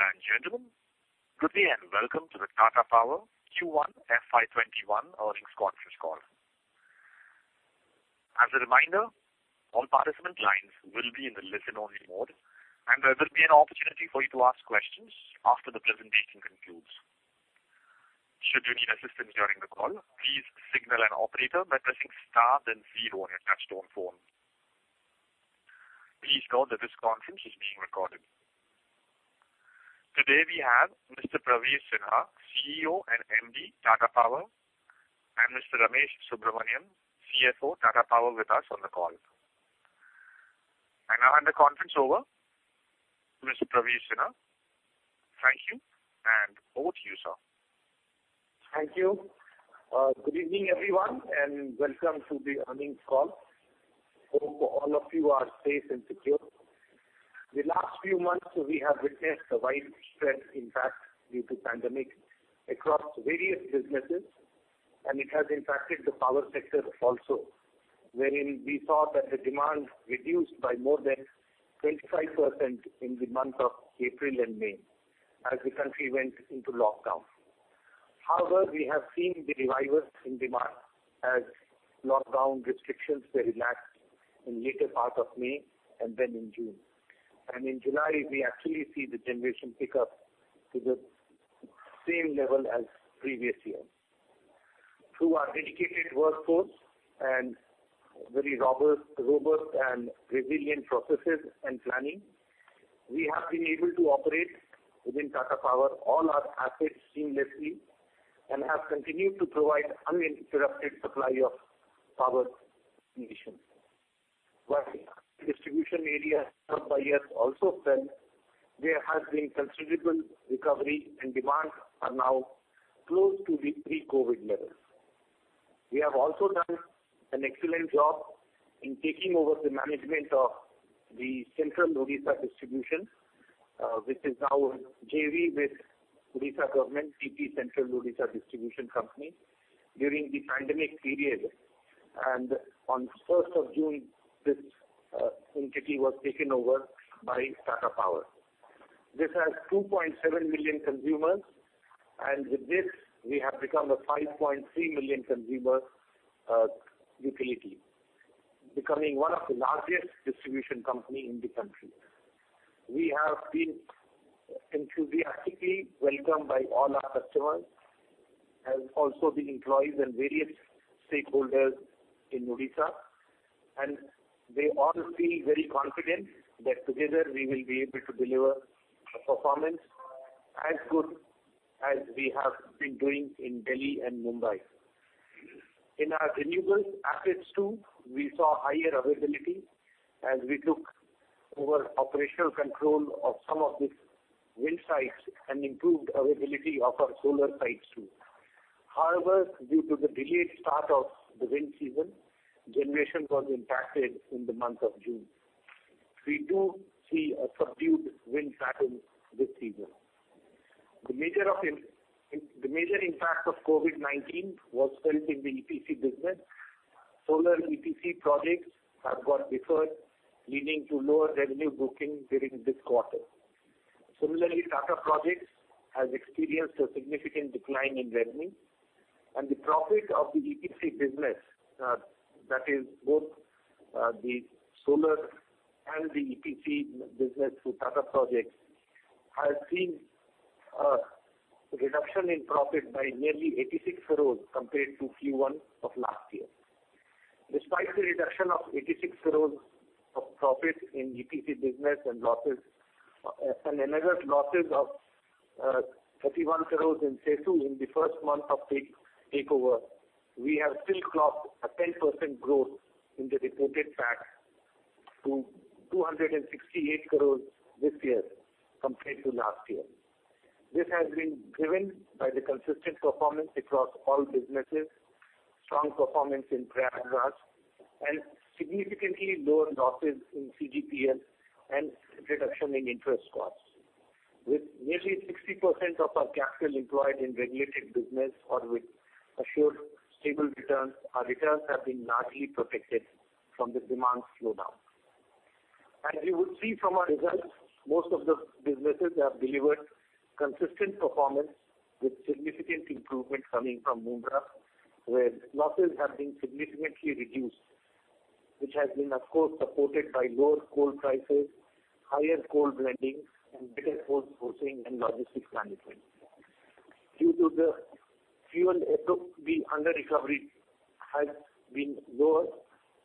Ladies and gentlemen good day and welcome to the Tata Power Q1 FY 2021 earnings conference call. As a reminder, all participant lines will be in the listen only mode, and there will be an opportunity for you to ask questions after the presentation concludes. Should you need assistance during the call, please signal an operator by pressing star then zero on your touch-tone phone. Please note that this conference is being recorded. Today we have Mr. Praveer Sinha, CEO and MD, Tata Power, and Mr. Ramesh Subramanyam, CFO, Tata Power, with us on the call. I now hand the conference over, Mr. Praveer Sinha. Thank you and over to you sir. Thank you. Good evening everyone and welcome to the earnings call. Hope all of you are safe and secure. The last few months, we have witnessed a widespread impact due to pandemic across various businesses. It has impacted the power sector also. Wherein we saw that the demand reduced by more than 25% in the month of April and May as the country went into lockdown. However, we have seen the revival in demand as lockdown restrictions were relaxed in later part of May and then in June. In July, we actually see the generation pick up to the same level as previous year. Through our dedicated workforce and very robust and resilient processes and planning, we have been able to operate within Tata Power all our assets seamlessly and have continued to provide uninterrupted supply of power to the nation. While distribution areas served by us also fell, there has been considerable recovery and demand are now close to the pre-COVID levels. We have also done an excellent job in taking over the management of the Central Odisha Distribution, which is now a JV with Odisha government, TP Central Odisha Distribution Company during the pandemic period. On the 1st of June, this entity was taken over by Tata Power. This has 2.7 million consumers, with this we have become a 5.3 million consumer utility, becoming one of the largest distribution company in the country. We have been enthusiastically welcomed by all our customers, as also the employees and various stakeholders in Odisha. They all feel very confident that together we will be able to deliver performance as good as we have been doing in Delhi and Mumbai. In our renewable assets too, we saw higher availability as we took over operational control of some of the wind sites and improved availability of our solar sites too. However, due to the delayed start of the wind season, generation was impacted in the month of June. We do see a subdued wind pattern this season. The major impact of COVID-19 was felt in the EPC business. Solar EPC projects have got deferred, leading to lower revenue bookings during this quarter. Similarly, Tata Projects has experienced a significant decline in revenue and the profit of the EPC business that is both the solar and the EPC business through Tata Projects, has seen a reduction in profit by nearly 86 crore compared to Q1 of last year. Despite the reduction of 86 crore of profit in EPC business and another losses of 31 crore in CESU in the first month of the takeover, we have still clocked a 10% growth in the reported PAT to 268 crore this year compared to last year. This has been driven by the consistent performance across all businesses, strong performance in Prayagraj, and significantly lower losses in CGPL, and reduction in interest costs. With nearly 60% of our capital employed in regulated business or with assured stable returns, our returns have been largely protected from the demand slowdown. As you would see from our results, most of the businesses have delivered consistent performance with significant improvement coming from Mundra, where losses have been significantly reduced, which has been, of course, supported by lower coal prices, higher coal blending, and better port sourcing and logistics management. Due to the fuel, the under recovery has been lower,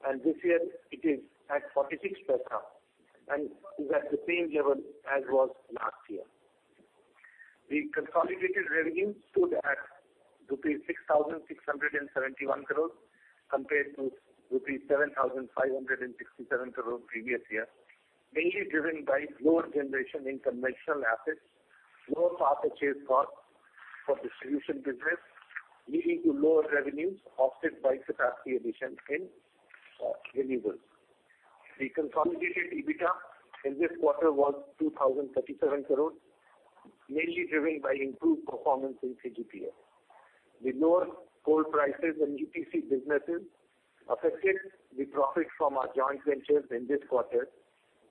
and this year it is at 0.46 and is at the same level as was last year. The consolidated revenue stood at rupees 6,671 crore compared to rupees 7,567 crore previous year, mainly driven by lower generation in conventional assets, lower power purchase cost for distribution business, leading to lower revenues offset by capacity addition in renewables. The consolidated EBITDA in this quarter was 2,037 crore, mainly driven by improved performance in CGPL. The lower coal prices and EPC businesses affected the profit from our joint ventures in this quarter,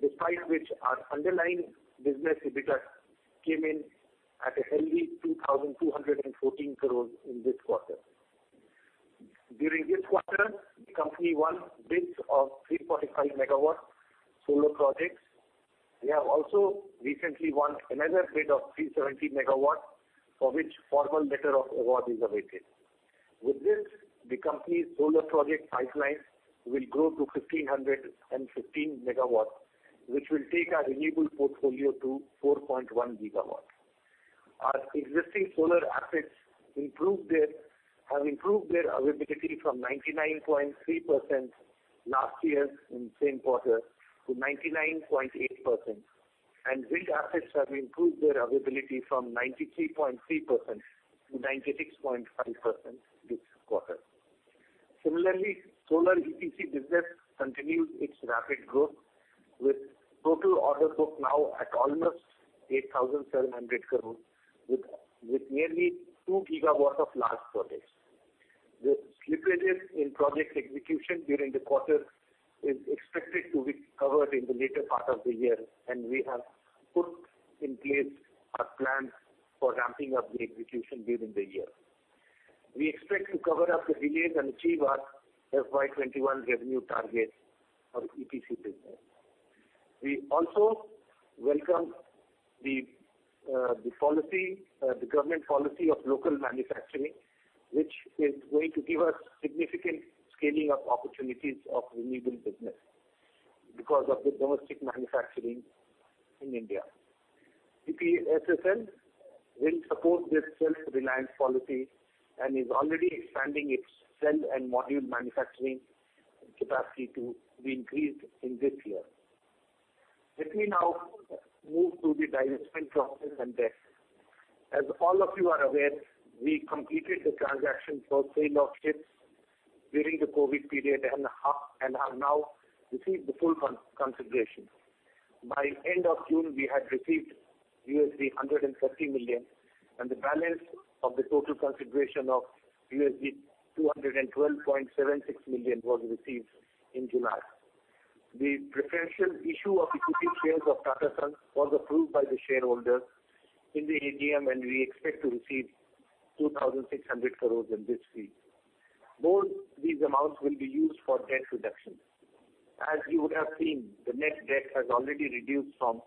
despite which our underlying business EBITDA came in at a healthy 2,214 crore in this quarter. During this quarter, the company won bids of 345 MW solar projects. We have also recently won another bid of 370 MW, for which formal letter of award is awaited. With this, the company's solar project pipeline will grow to 1,515 MW, which will take our renewable portfolio to 4.1 GW. Our existing solar assets have improved their availability from 99.3% last year in the same quarter to 99.8%, and wind assets have improved their availability from 93.3%-96.5% this quarter. Similarly, solar EPC business continues its rapid growth, with total order book now at almost 8,700 crore, with nearly 2 GW of large projects. The slippages in project execution during the quarter is expected to be covered in the later part of the year. We have put in place our plans for ramping up the execution during the year. We expect to cover up the delays and achieve our FY 2021 revenue target for the EPC business. We also welcome the government policy of local manufacturing, which is going to give us significant scaling of opportunities of renewable business, because of the domestic manufacturing in India. TPSSL will support this self-reliance policy and is already expanding its cell and module manufacturing capacity to be increased in this year. Let me now move to the divestment process and debt. As all of you are aware, we completed the transaction for sale of ships during the COVID period and have now received the full consideration. By end of June, we had received $150 million, and the balance of the total consideration of $212.76 million was received in July. The preferential issue of equity shares of Tata Sons was approved by the shareholders in the AGM, and we expect to receive 2,600 crore in this fee. Both these amounts will be used for debt reduction. As you would have seen, the net debt has already reduced from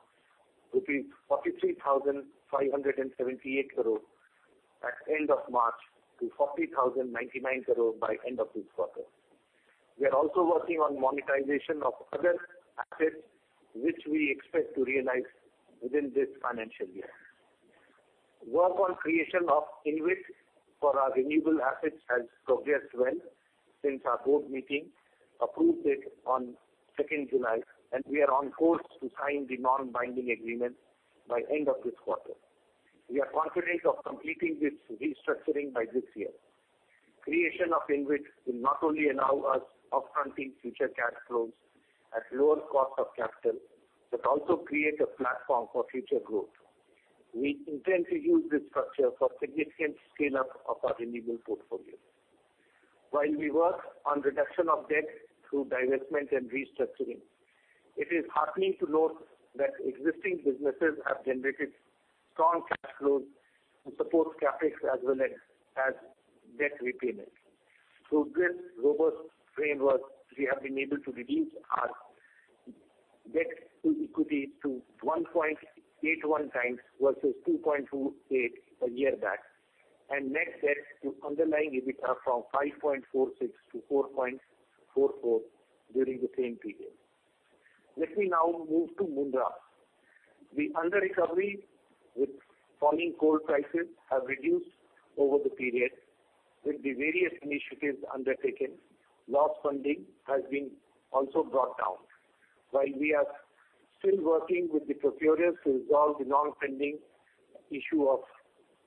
rupees 43,578 crore at end of March to 40,099 crore by end of this quarter. We are also working on monetization of other assets, which we expect to realize within this financial year. Work on creation of InvIT for our renewable assets has progressed well since our board meeting approved it on 2nd July, and we are on course to sign the non-binding agreement by end of this quarter. We are confident of completing this restructuring by this year. Creation of InvIT will not only allow us up-fronting future cash flows at lower cost of capital, but also create a platform for future growth. We intend to use this structure for significant scale-up of our renewable portfolio. While we work on reduction of debt through divestment and restructuring, it is heartening to note that existing businesses have generated strong cash flows to support CapEx as well as debt repayment. Through this robust framework, we have been able to reduce our debt to equity to 1.81x versus 2.48x a year back, and net debt to underlying EBITDA from 5.46x- 4.44x during the same period. Let me now move to Mundra. The under-recovery with falling coal prices have reduced over the period. With the various initiatives undertaken, loss funding has been also brought down. While we are still working with the procurers to resolve the long-pending issue of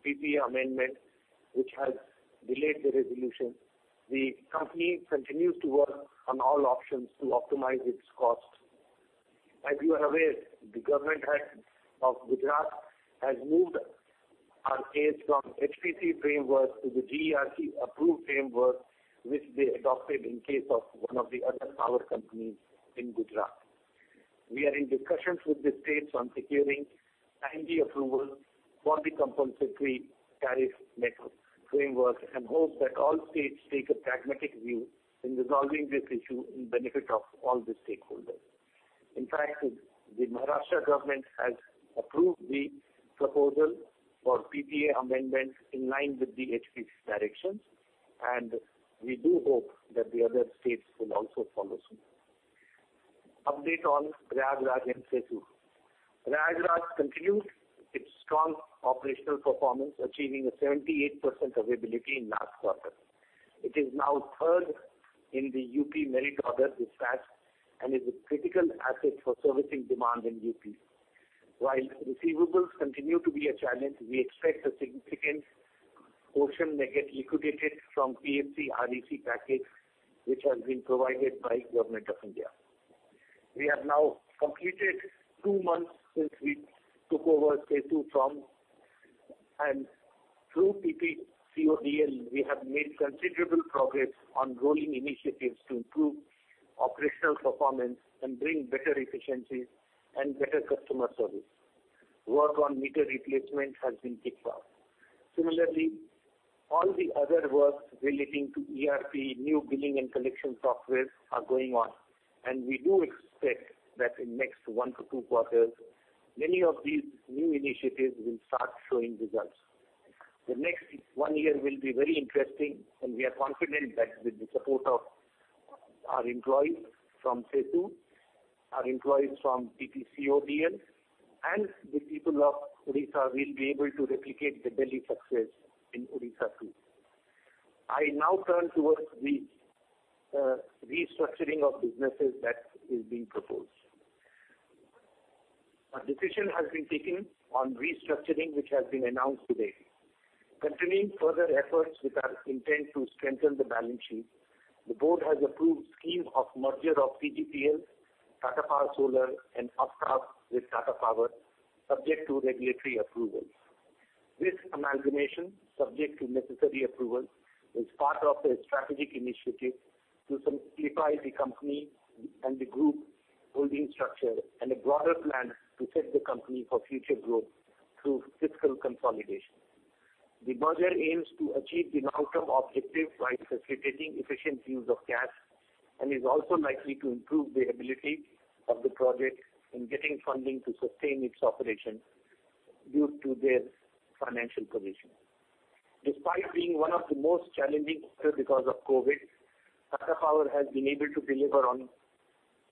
PPA amendment, which has delayed the resolution, the company continues to work on all options to optimize its costs. As you are aware, the government of Gujarat has moved our case from HPC framework to the GERC approved framework, which they adopted in case of one of the other power companies in Gujarat. We are in discussions with the states on securing timely approval for the compensatory tariff mechanism framework and hope that all states take a pragmatic view in resolving this issue in benefit of all the stakeholders. In fact, the Maharashtra government has approved the proposal for PPA amendment in line with the HPC directions, and we do hope that the other states will also follow soon. Update on Prayagraj and Setu. Prayagraj continued its strong operational performance, achieving a 78% availability in last quarter. It is now third in the U.P. merit order dispatch and is a critical asset for servicing demand in U.P. While receivables continue to be a challenge, we expect a significant portion may get liquidated from PFC-REC package, which has been provided by Government of India. We have now completed two months since we took over CESU, and through TPCODL, we have made considerable progress on rolling initiatives to improve operational performance and bring better efficiencies and better customer service. Work on meter replacement has been picked up. Similarly, all the other works relating to ERP, new billing and collection softwares are going on, and we do expect that in next one to two quarters, many of these new initiatives will start showing results. The next one year will be very interesting, and we are confident that with the support of our employees from CESU, our employees from TPCODL, and the people of Odisha, we'll be able to replicate the Delhi success in Odisha too. I now turn towards the restructuring of businesses that is being proposed. A decision has been taken on restructuring, which has been announced today. Continuing further efforts with our intent to strengthen the balance sheet, the board has approved scheme of merger of CGPL, Tata Power Solar, and Af-Taab Investment Company with Tata Power, subject to regulatory approvals. This amalgamation, subject to necessary approvals, is part of a strategic initiative to simplify the company and the group holding structure and a broader plan to set the company for future growth through fiscal consolidation. The merger aims to achieve the long-term objective by facilitating efficient use of cash and is also likely to improve the ability of the project in getting funding to sustain its operations due to their financial position. Despite being one of the most challenging quarter because of COVID, Tata Power has been able to deliver on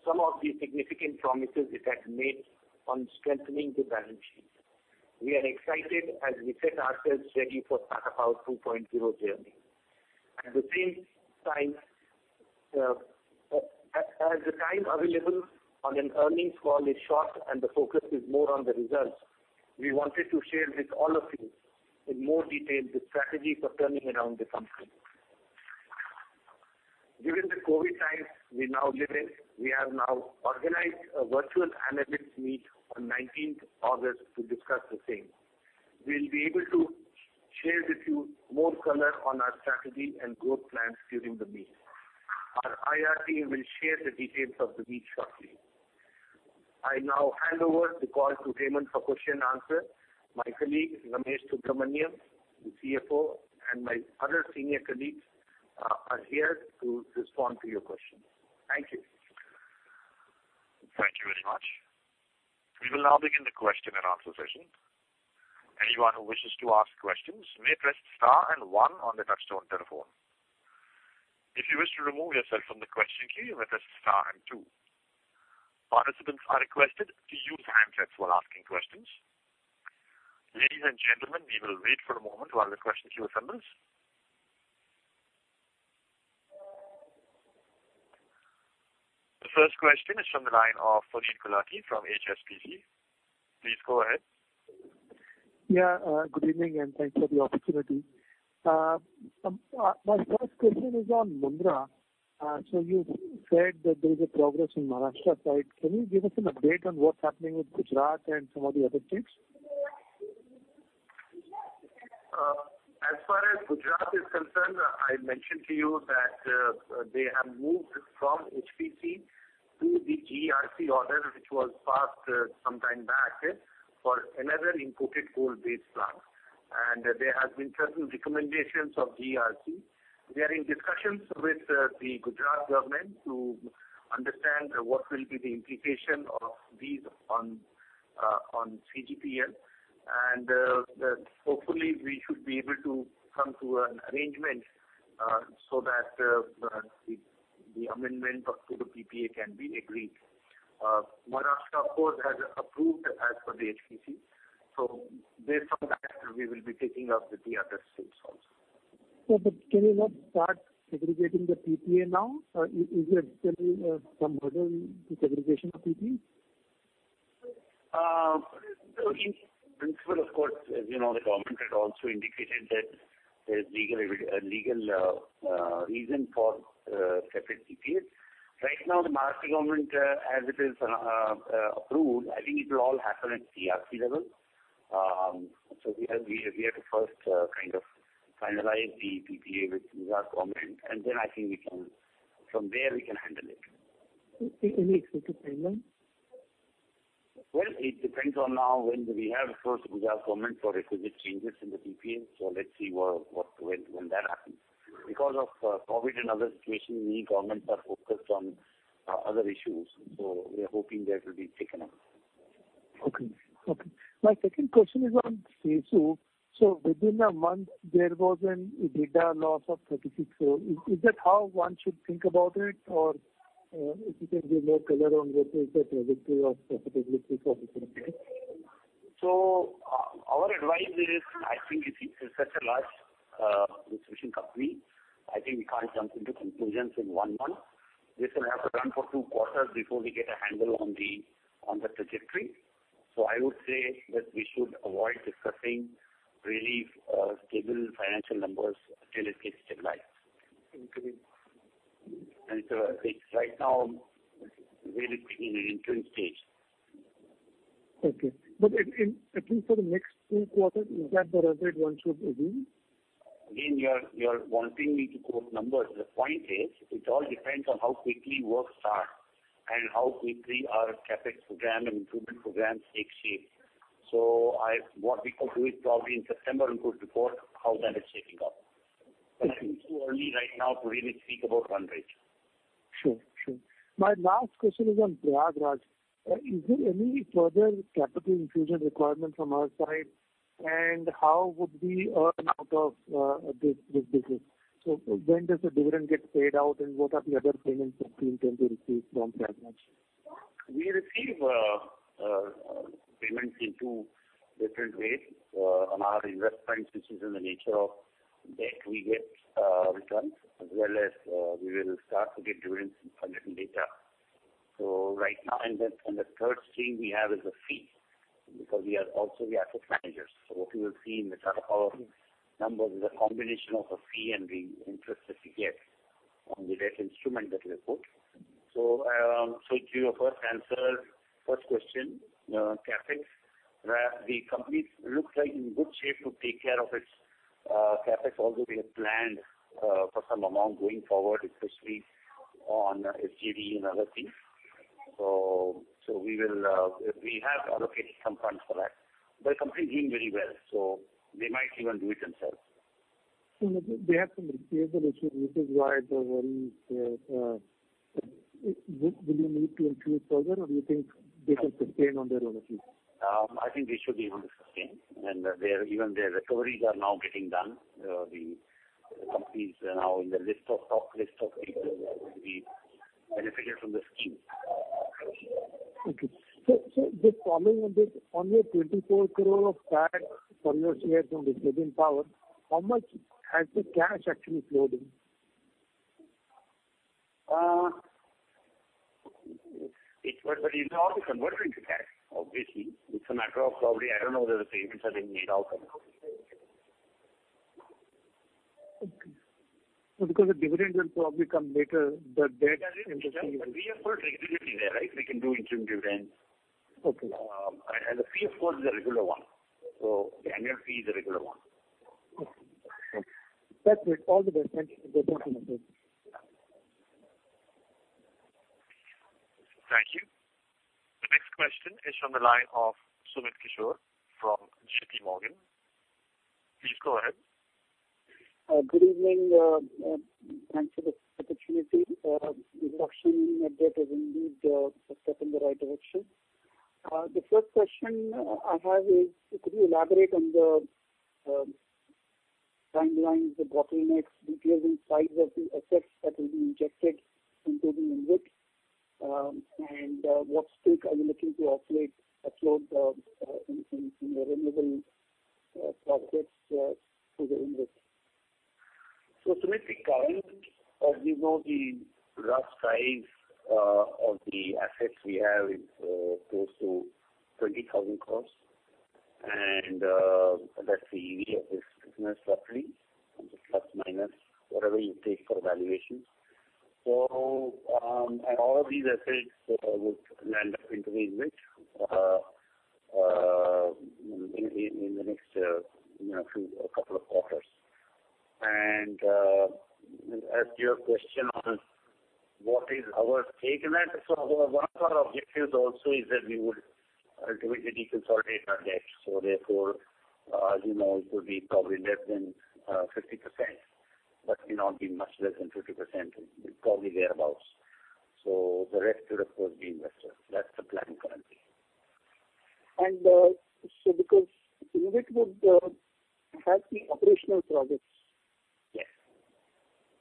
some of the significant promises it had made on strengthening the balance sheet. We are excited as we set ourselves ready for Tata Power 2.0 journey. As the time available on an earnings call is short and the focus is more on the results, we wanted to share with all of you in more detail the strategy for turning around the company. Given the COVID times we now live in, we have now organized a virtual analyst meet on 19th August to discuss the same. We'll be able to share with you more color on our strategy and growth plans during the meet. Our IR team will share the details of the meet shortly. I now hand over the call to Ramesh for question and answer. My colleague, Ramesh Subramanyam, the CFO, and my other senior colleagues are here to respond to your questions. Thank you. Thank you very much. We will now begin the question and answer session. Anyone who wishes to ask questions may press star and one on the touchtone telephone. If you wish to remove yourself from the question queue, you may press star and two. Participants are requested to use handsets while asking questions. Ladies and gentlemen, we will wait for a moment while the question queue assembles. The first question is from the line of Puneet Gulati from HSBC. Please go ahead. Yeah. Good evening and thanks for the opportunity. My first question is on Mundra. You said that there is a progress in Maharashtra site. Can you give us an update on what's happening with Gujarat and some of the other states? As far as Gujarat is concerned, I mentioned to you that they have moved from HPC to the GERC order, which was passed some time back for another imported coal-based plant. There has been certain recommendations of GERC. We are in discussions with the Gujarat government to understand what will be the implication of these on CGPL. Hopefully, we should be able to come to an arrangement so that the amendment to the PPA can be agreed. Maharashtra, of course, has approved as per the HPC. Based on that, we will be taking up with the other states also. Yeah, can you not start segregating the PPA now? Is there still some hurdle in the segregation of PPAs? In principle, of course, as you know, the government had also indicated that there is legal reason for separate PPAs. Right now, the Maharashtra Government as it is approved, I think it will all happen at ERC level. We have to first kind of finalize the PPA with Gujarat Government, and then I think from there, we can handle it. Any expected timeline? Well, it depends on now when we have first Gujarat government for requisite changes in the PPA. Let's see when that happens. Because of COVID and other situation, many governments are focused on other issues. We are hoping that will be taken up. Okay. My second question is on CESU. Within a month, there was an EBITDA loss of 36 crore. Is that how one should think about it? Or if you can give more color on what is the trajectory of profitability for this company? Our advice is, I think it's such a large distribution company. I think we can't jump into conclusions in one month. This will have to run for two quarters before we get a handle on. On the trajectory. I would say that we should avoid discussing really stable financial numbers until it gets stabilized. Okay. Right now, it's really in an interim stage. Okay. At least for the next two quarters, is that the run rate one should assume? You're wanting me to quote numbers. The point is, it all depends on how quickly work starts and how quickly our CapEx program and improvement program takes shape. What we can do is probably in September include the report, how that is shaping up. It's too early right now to really speak about run rates. Sure. My last question is on Prayagraj. Is there any further capital infusion requirement from our side, and how would we earn out of this business? When does the dividend get paid out, and what are the other payments that we intend to receive from Prayagraj? We receive payments in two different ways. On our investment, which is in the nature of debt, we get returns, as well as we will start to get dividends from a little later. The third stream we have is a fee, because we are also the asset managers. What you will see in the Tata Power numbers is a combination of a fee and the interest that we get on the debt instrument that we have put. To your first answer, first question, CapEx, the company looks like in good shape to take care of its CapEx, although we have planned for some amount going forward, especially on SGV and other things. We have allocated some funds for that. The company is doing very well, they might even do it themselves. They have some payable issues, which is why the worry is. Will you need to infuse further, or do you think they can sustain on their own at least? I think they should be able to sustain, and even their recoveries are now getting done. The company is now in the list of top list of people that will be benefited from the scheme. Okay. Just following on this, on your 24 crore of Canadian dollar for your shares in distributed power, how much has the cash actually flowed in? It will all be converted into cash, obviously. It's a matter of probably, I don't know whether the payments have been made out or not. Okay. The dividends will probably come later, but they're interesting. We have put liquidity there. We can do interim dividends. Okay. The fee, of course, is a regular one. The annual fee is a regular one. Okay. That's it. All the best. Thank you. Thank you. The next question is from the line of Sumit Kishore from JPMorgan. Please go ahead. Good evening. Thanks for this opportunity. Introduction that is indeed a step in the right direction. The first question I have is, could you elaborate on the timelines, the bottlenecks, details, and size of the assets that will be injected into the InvIT? What stake are you looking to offload in the renewable projects to the InvIT? Sumit, as you know, the rough size of the assets we have is close to 20,000 crore. That's the EV of this business roughly, just plus, minus, whatever you take for valuations. All of these assets would land up into the InvIT in the next couple of quarters. As to your question on what is our stake in that, one of our objectives also is that we would ultimately deconsolidate our debt. Therefore, as you know, it would be probably less than 50%, but may not be much less than 50%. It's probably thereabouts. The rest would, of course, be invested. That's the plan currently. Because InvIT would have the operational projects. Yes.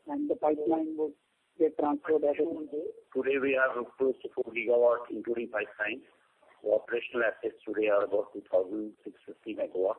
The pipeline would get transferred as it is. Today we are close to 4 GW, including pipeline. Our operational assets today are about 2,650 MW.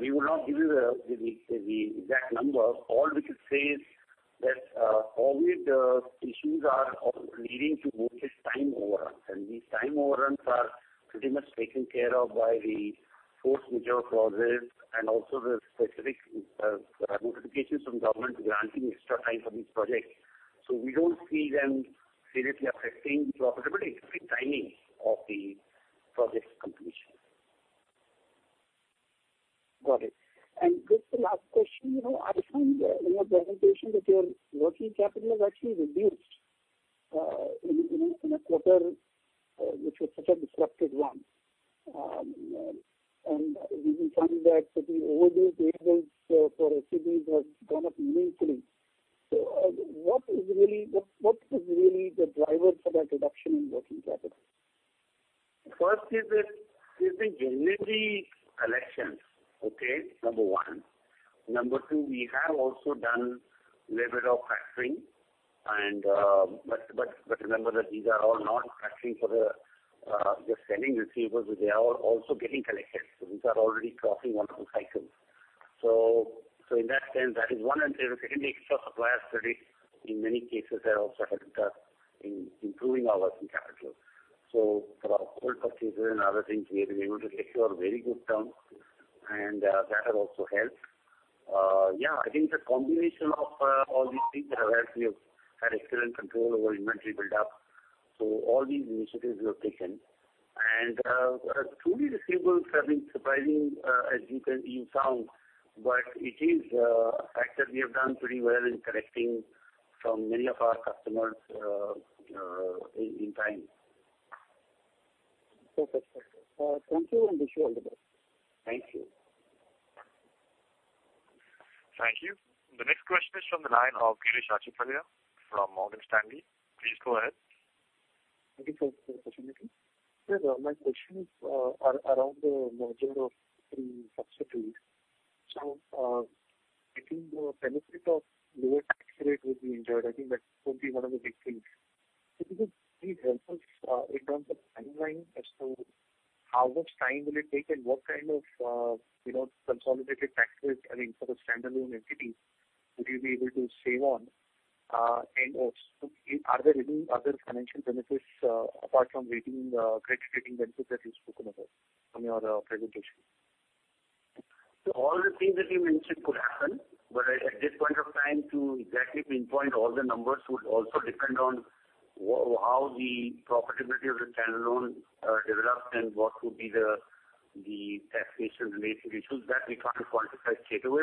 we will not give you the exact number. All we could say is that COVID issues are leading to notice time overruns, and these time overruns are pretty much taken care of by the force majeure clauses and also the specific notifications from government granting extra time for these projects. We don't see them seriously affecting profitability, it's the timing of the project completion. Got it. Just the last question. I find in your presentation that your working capital has actually reduced in a quarter which was such a disrupted one. We’ve been finding that the overdue payables for SPV has gone up meaningfully. What is really the driver for that reduction in working capital? First is the January collections, number one. Number two, we have also done a little bit of factoring. Remember that these are all not factoring for the selling receivables. They are also getting collected. These are already crossing one or two cycles. In that sense, that is one. Secondly, extra supplier credits, in many cases, have also helped us in improving our working capital. For our coal purchases and other things, we have been able to secure very good terms. That has also helped. I think the combination of all these things has helped. We have had excellent control over inventory buildup. All these initiatives we have taken. Truly, receivables have been surprising, as it may sound. It is a factor we have done pretty well in collecting from many of our customers in time. Super. Thank you and wish you all the best. Thank you. Thank you. The next question is from the line of Girish Achhipalia from Morgan Stanley. Please go ahead. Thank you for the opportunity. Sir, my question is around the merger of the subsidiaries. I think the benefit of lower tax rate would be enjoyed. I think that would be one of the big things. Could you please help us in terms of timeline as to how much time will it take and what kind of consolidated tax rate for the standalone entity, would you be able to save on? Are there any other financial benefits apart from credit rating benefits that you've spoken about from your presentation? All the things that you mentioned could happen, at this point of time, to exactly pinpoint all the numbers would also depend on how the profitability of the standalone develops and what would be the taxation-related issues. That we can't quantify straight away.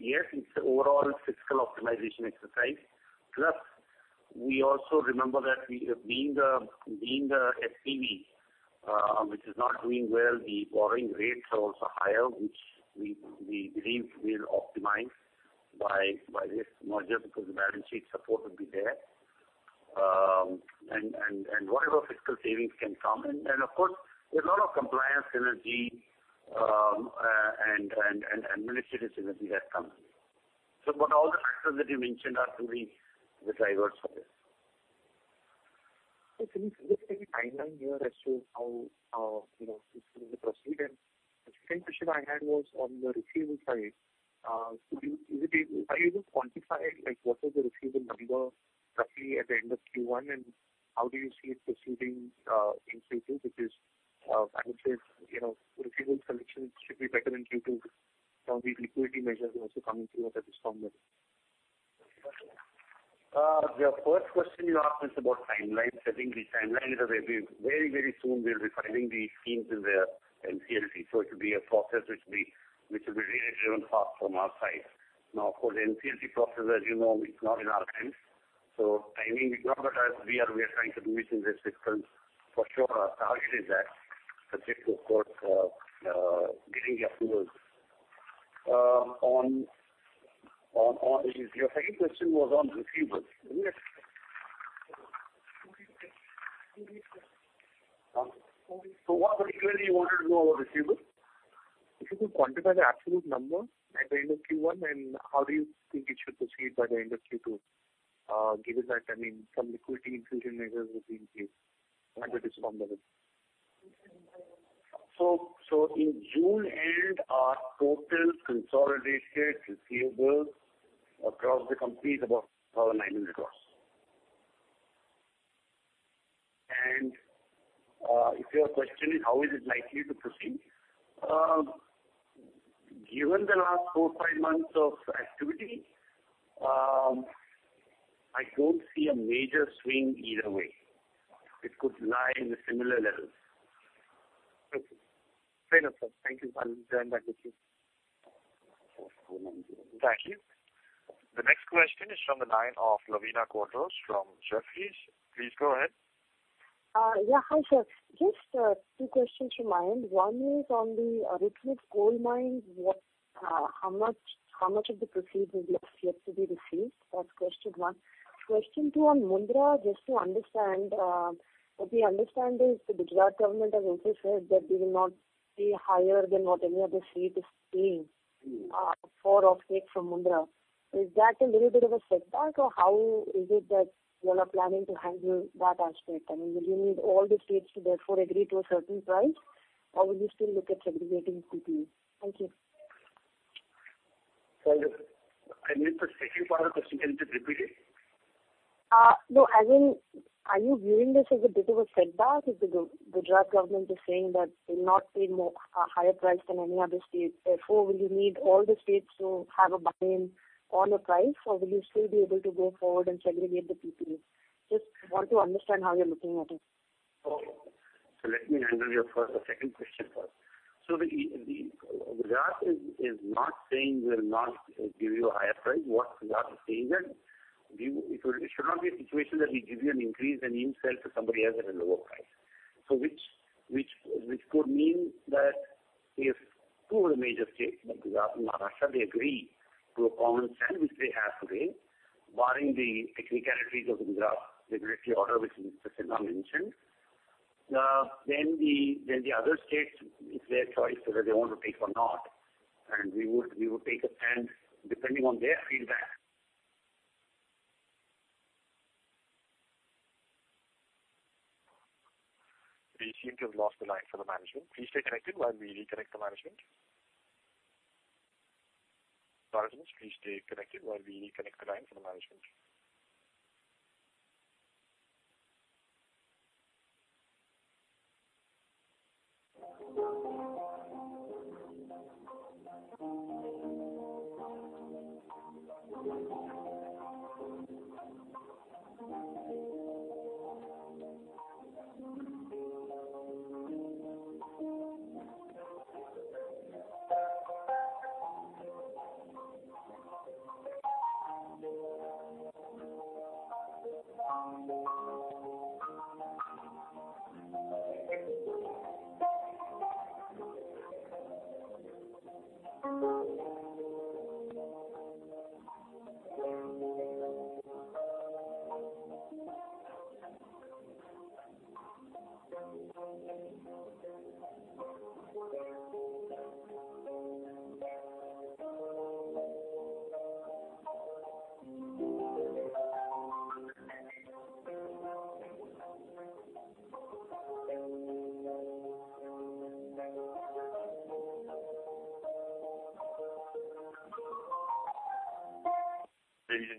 Yes, it's an overall fiscal optimization exercise. Plus, we also remember that being the SPV which is not doing well, the borrowing rates are also higher, which we believe will optimize by this merger because the balance sheet support will be there. Whatever fiscal savings can come. Of course, there's a lot of compliance synergy and administrative synergy that comes in. All the factors that you mentioned are truly the drivers for this. Can you just give a timeline here as to how this will proceed? The second question I had was on the receivable side. Are you able to quantify what was the receivable number roughly at the end of Q1, and how do you see it proceeding in Q2, which is, I would say, receivable collections should be better in Q2 from the liquidity measures also coming through at a stronger rate. The first question you asked is about timeline. I think the timeline is very soon we'll be filing the schemes in the NCLT. It will be a process which will be really driven hard from our side. Now, of course, the NCLT process, as you know, it's not in our hands. Timing, we can't, but we are trying to do it in this fiscal for sure. Our target is that, subject, of course, getting approvals. Your second question was on receivables. What particularly you wanted to know about receivables? If you could quantify the absolute number at the end of Q1, and how do you think it should proceed by the end of Q2, given that some liquidity infusion measures have been taken and it is stronger? In June end, our total consolidated receivables across the company is about INR 900 crore. If your question is how is it likely to proceed, given the last four, five months of activity, I don't see a major swing either way. It could lie in the similar levels. Okay. Fair enough sir. Thank you. I'll join back with you. Thank you. Thank you. The next question is from the line of Lavina Quadros from Jefferies. Please go ahead. Yeah. Hi sir. Just two questions from my end. One is on the Arutmin coal mine. How much of the proceeds will be yet to be received? That's question one. Question two on Mundra, just to understand. What we understand is the Gujarat government has also said that they will not pay higher than what any other state is paying for off-take from Mundra. Is that a little bit of a setback, or how is it that you all are planning to handle that aspect? I mean, will you need all the states to therefore agree to a certain price, or will you still look at segregating PPAs? Thank you. I missed the second part of the question. Can you just repeat it? No. I mean, are you viewing this as a bit of a setback if the Gujarat government is saying that they'll not pay a higher price than any other state, therefore will you need all the states to have a buy-in on the price, or will you still be able to go forward and segregate the PPAs? Just want to understand how you're looking at it. Okay. Let me handle your second question first. Gujarat is not saying we will not give you a higher price. What Gujarat is saying that it should not be a situation that we give you an increase and you sell to somebody else at a lower price. Which could mean that if two of the major states like Gujarat and Maharashtra, they agree to a common stand, which they have today, barring the technicalities of the Gujarat regulatory order, which Mr. Sinha mentioned, then the other states, it's their choice whether they want to take or not. We would take a stand depending on their feedback. We seem to have lost the line for the management. Please stay connected while we reconnect the management. Pardon me.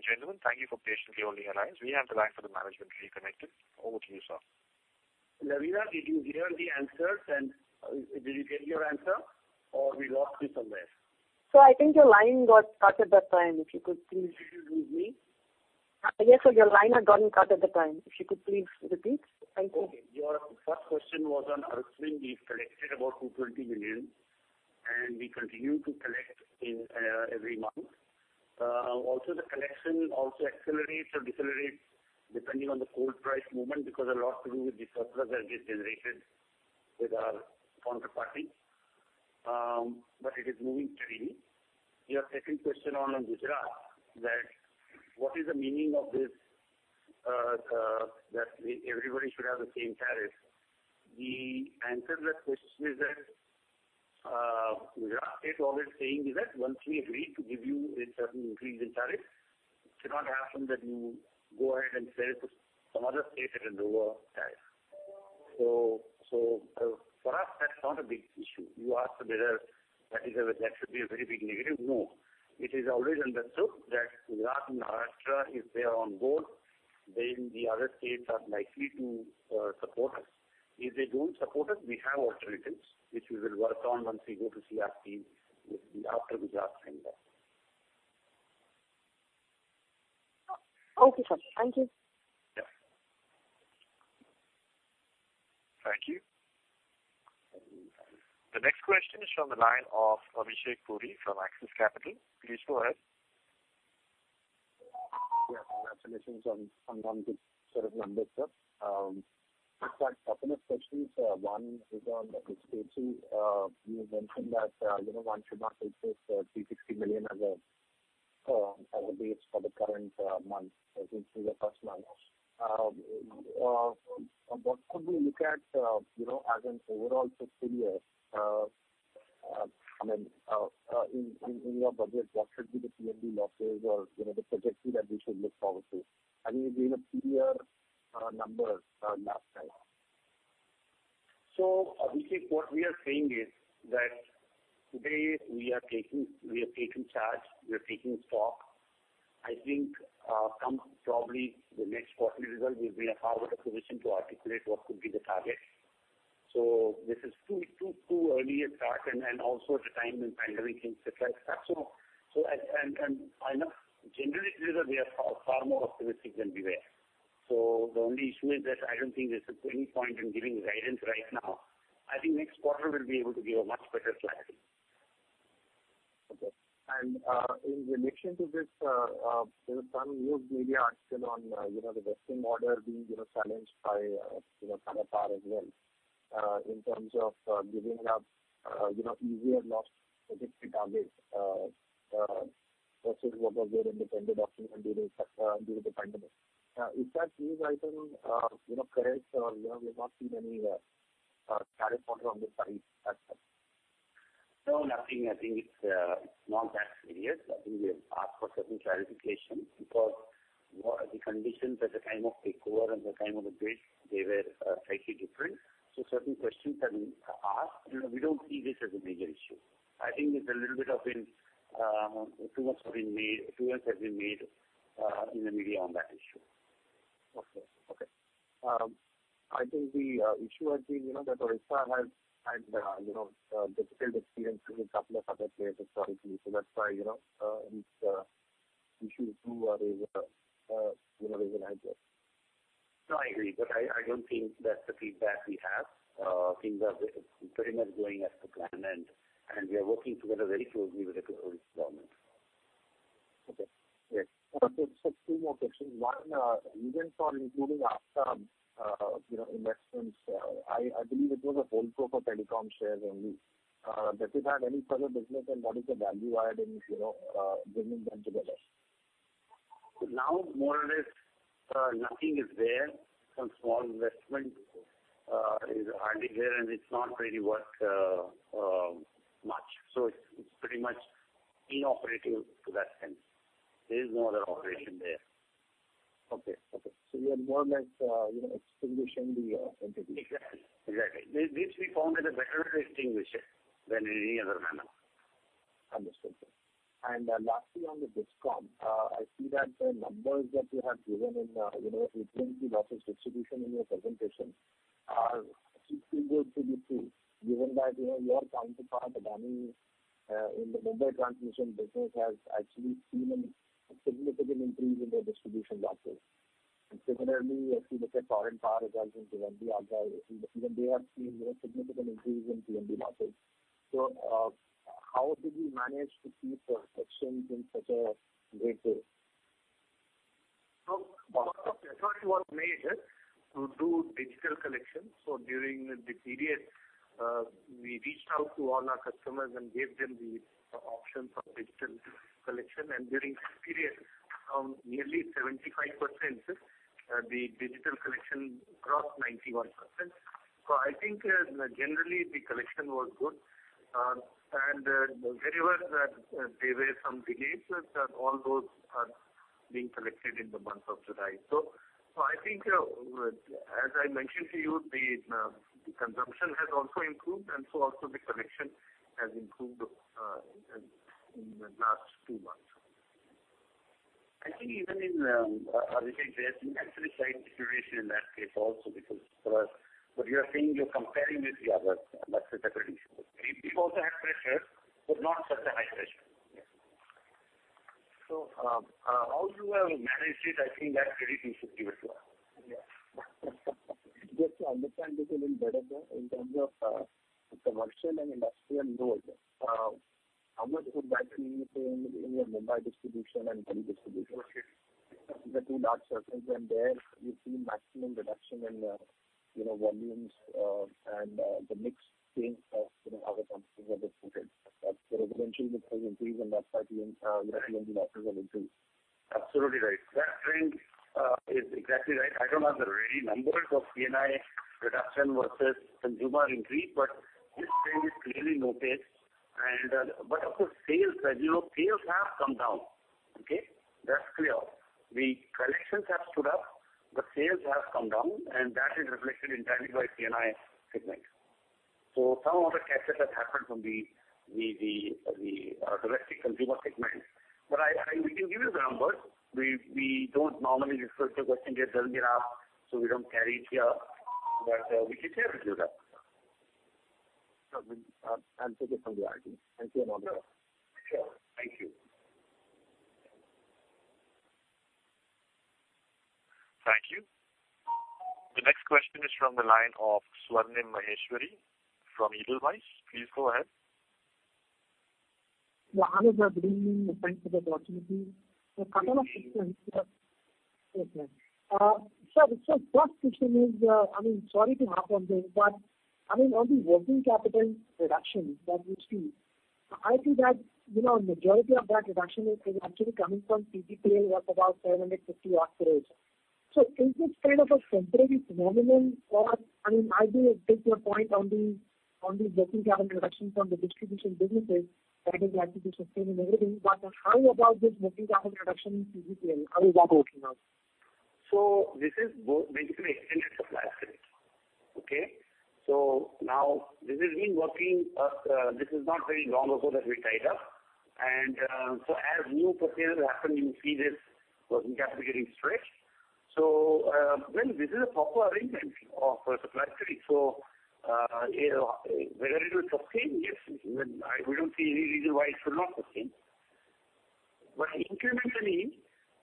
Please stay connected while we reconnect the line for the management. Ladies and gentlemen, thank you for patiently holding your lines. We have the line for the management reconnected. Over to you sir. Lavina, did you hear the answers and did you get your answer? We lost you somewhere? Sir, I think your line got cut at that time. If you could please. Did you lose me? Yes, sir, your line had gotten cut at the time. If you could please repeat? Thank you. Okay. Your first question was on Arutmin. We've collected about 220 million, and we continue to collect every month. Also the collection also accelerates or decelerates depending on the coal price movement, because a lot to do with the surplus that gets generated with our counterparty. It is moving steadily. Your second question on Gujarat, that what is the meaning of this that everybody should have the same tariff. The answer to that question is that Gujarat State always saying is that once we agree to give you a certain increase in tariff, it cannot happen that you go ahead and sell it to some other state at a lower tariff. For us, that's not a big issue. You asked whether that should be a very big negative. No. It is always understood that Gujarat and Maharashtra, if they are on board, then the other states are likely to support us. If they don't support us, we have alternatives, which we will work on once we go to CERC after Gujarat signs off. Okay, sir. Thank you. Yes. Thank you. The next question is from the line of Abhishek Puri from Axis Capital. Please go ahead. Congratulations on good set of numbers sir. Just couple of questions. One is on the Q2. You mentioned that one should not take this 360 million as a base for the current month, as in for the first month. What could we look at as an overall fiscal year? I mean, in your budget, what should be the AT&C losses or the trajectory that we should look forward to? I think you gave a three-year number last time. Abhishek, what we are saying is that today we are taking charge, we are taking stock. I think come probably the next quarterly result, we will be in a far better position to articulate what could be the target. This is too early a start and also at a time when pandemic things et cetera. I know generally, we are far more optimistic than beware. The only issue is that I don't think there is any point in giving guidance right now. I think next quarter we will be able to give a much better clarity. Okay. In relation to this, there were some news media article on the testing order being challenged by Tata Power as well, in terms of giving up easier loss targets versus what was there in the tender document during the pandemic. Is that news item correct or we're not seeing any counterpoint from your side as such? No, nothing. I think it's not that serious. I think we have asked for certain clarifications because the conditions at the time of takeover and the time of the bid, they were slightly different. Certain questions have been asked. We don't see this as a major issue. I think it's a little bit of too much has been made in the media on that issue. Okay. I think the issue has been that Odisha has had difficult experience with a couple of other players historically, so that's why it's an issue too as an add-on. No, I agree. I don't think that's the feedback we have. Things are pretty much going as per plan and we are working together very closely with the Odisha government. Okay great. Sir, just two more questions. One, reason for including Af-Taab Investment Company. I believe it was a whole portfolio of telecom shares only. Does it have any further business and what is the value add in bringing them together? Now, more or less, nothing is there. Some small investment is hardly there, and it's not really worth much. It's pretty much inoperative to that sense. There is no other operation there. Okay. You have more or less extinguished the entity. Exactly. This we found it a better way to extinguish it than in any other manner. Understood, sir. Lastly, on the DISCOM, I see that the numbers that you have given in between the losses distribution in your presentation are slightly good to be true, given that your counterpart, Adani, in the Mumbai transmission business has actually seen a significant increase in their distribution losses. Similarly, if you look at Tata Power results into NDMC, even they have seen significant increase in AT&C losses. How did you manage to keep your reductions in such a great way? Part of effort was made, sir, to do digital collection. During that period, we reached out to all our customers and gave them the option for digital collection. During that period, nearly 75%, sir, the digital collection crossed 91%. I think, generally the collection was good. Wherever there were some delays, sir, all those are being collected in the month of July. I think, as I mentioned to you, the consumption has also improved, and so also the collection has improved in the last two months. I think even in Odisha, actually slight deterioration in that case also because what you are saying you're comparing with the others. That's a separate issue. We also had pressure, but not such a high pressure. Yes. How you have managed it, I think that's very interesting as well. Yes. Just to understand this a little better, in terms of the commercial and industrial loads, how much would that mean in your Mumbai distribution and Delhi distribution? Okay. The two large circles, there you've seen maximum reduction in volumes and the mix change of how the consumers are distributed. The residential has increased and that's why the AT&C losses have increased. Absolutely right. That trend is exactly right. I don't have the ready numbers of C&I reduction versus consumer increase, but this trend is clearly noticed. Of course, sales have come down. Okay? That's clear. The collections have stood up, but sales have come down, and that is reflected entirely by C&I segment. Some of the catches have happened from the domestic consumer segment. We can give you the numbers. We don't normally discuss the question here, doesn't get asked, so we don't carry it here. We can share it with you sir. Sure. I'll take it from you Ramesh. Thank you very much. Sure. Thank you. Thank you. The next question is from the line of Swarnim Maheshwari from Edelweiss. Please go ahead. Swarnim Maheshwari. Thanks for the opportunity. Couple of questions, sir. Sir, first question is, I mean, sorry to harp on this, I mean, on the working capital reduction that we've seen, I think that majority of that reduction is actually coming from CGPL worth about 750 crore. Is this kind of a temporary phenomenon? I do get your point on the working capital reduction from the distribution businesses, that is likely to sustain and everything. How about this working capital reduction in CGPL? How is that working out? This is basically extended supply credit. Okay? Now this has been working, this is not very long ago that we tied up. As new purchases happen, you see this working capital getting stretched. Well, this is a proper arrangement of supply credit. Whether it will sustain? Yes. We don't see any reason why it should not sustain. Incrementally,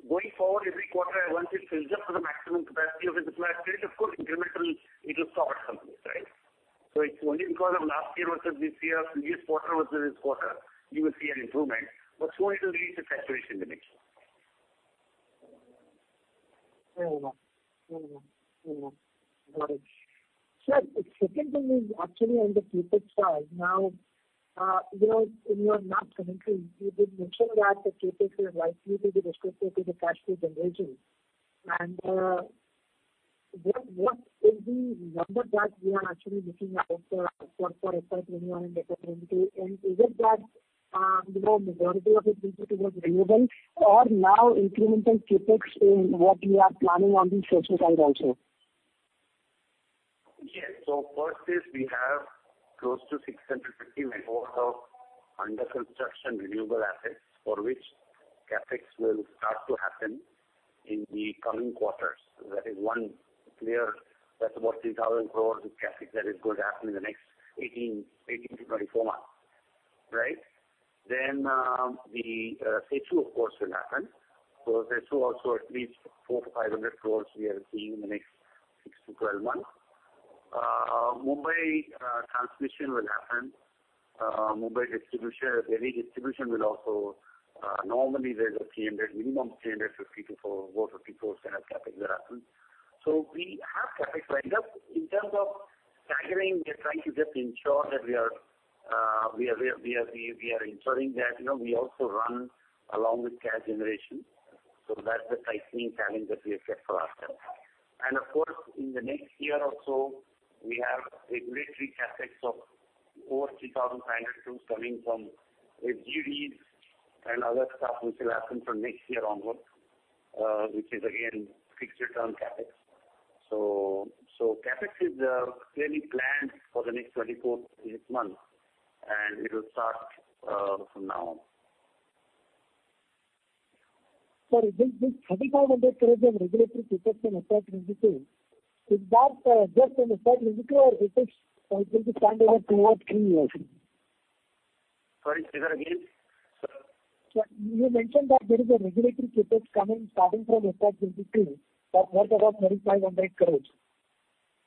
going forward every quarter, once it fills up to the maximum capacity of the supply credit, of course, incremental, it will stop at some place, right? It's only because of last year versus this year, previous quarter versus this quarter, you will see an improvement, but slowly it will reach a saturation limit. Got it. Sir, the second thing is actually on the CapEx side. In your last commentary, you did mention that the CapEx will likely to be restricted to the cash flow generation. What is the number that we are actually looking out for FY 2021 and FY 2022? Is it that the majority of it will be towards renewable or now incremental CapEx in what we are planning on the CESU side also? Yes. First is we have close to 650 MW of under-construction renewable assets for which CapEx will start to happen in the coming quarters. That is one clear, that is about 3,000 crore of CapEx that is going to happen in the next 18-24 months. Right. The CESU, of course, will happen. CESU also at least 400 crore-500 crore we are seeing in the next 6-12 months. Mumbai transmission will happen. Mumbai distribution, Delhi distribution will also. Normally, there is a minimum 300 crore, 350 crore-450 crore kind of CapEx that happens. We have CapEx lined up. In terms of staggering, we are trying to just ensure that we also run along with cash generation. That is the tightening challenge that we have set for ourselves. Of course, in the next year or so, we have regulatory CapEx of over 3,500 crore coming from ADEs and other stuff which will happen from next year onwards, which is again fixed return CapEx. CapEx is clearly planned for the next 24-28 months, it will start from now on. Sir, this INR 3,500 crore of regulatory CapEx in FY 2022, is that just in FY 2022 or it will be spanned over two or three years? Sorry, say that again. Sir, you mentioned that there is a regulatory CapEx coming starting from FY 2022 that's worth about INR 3,500 crore.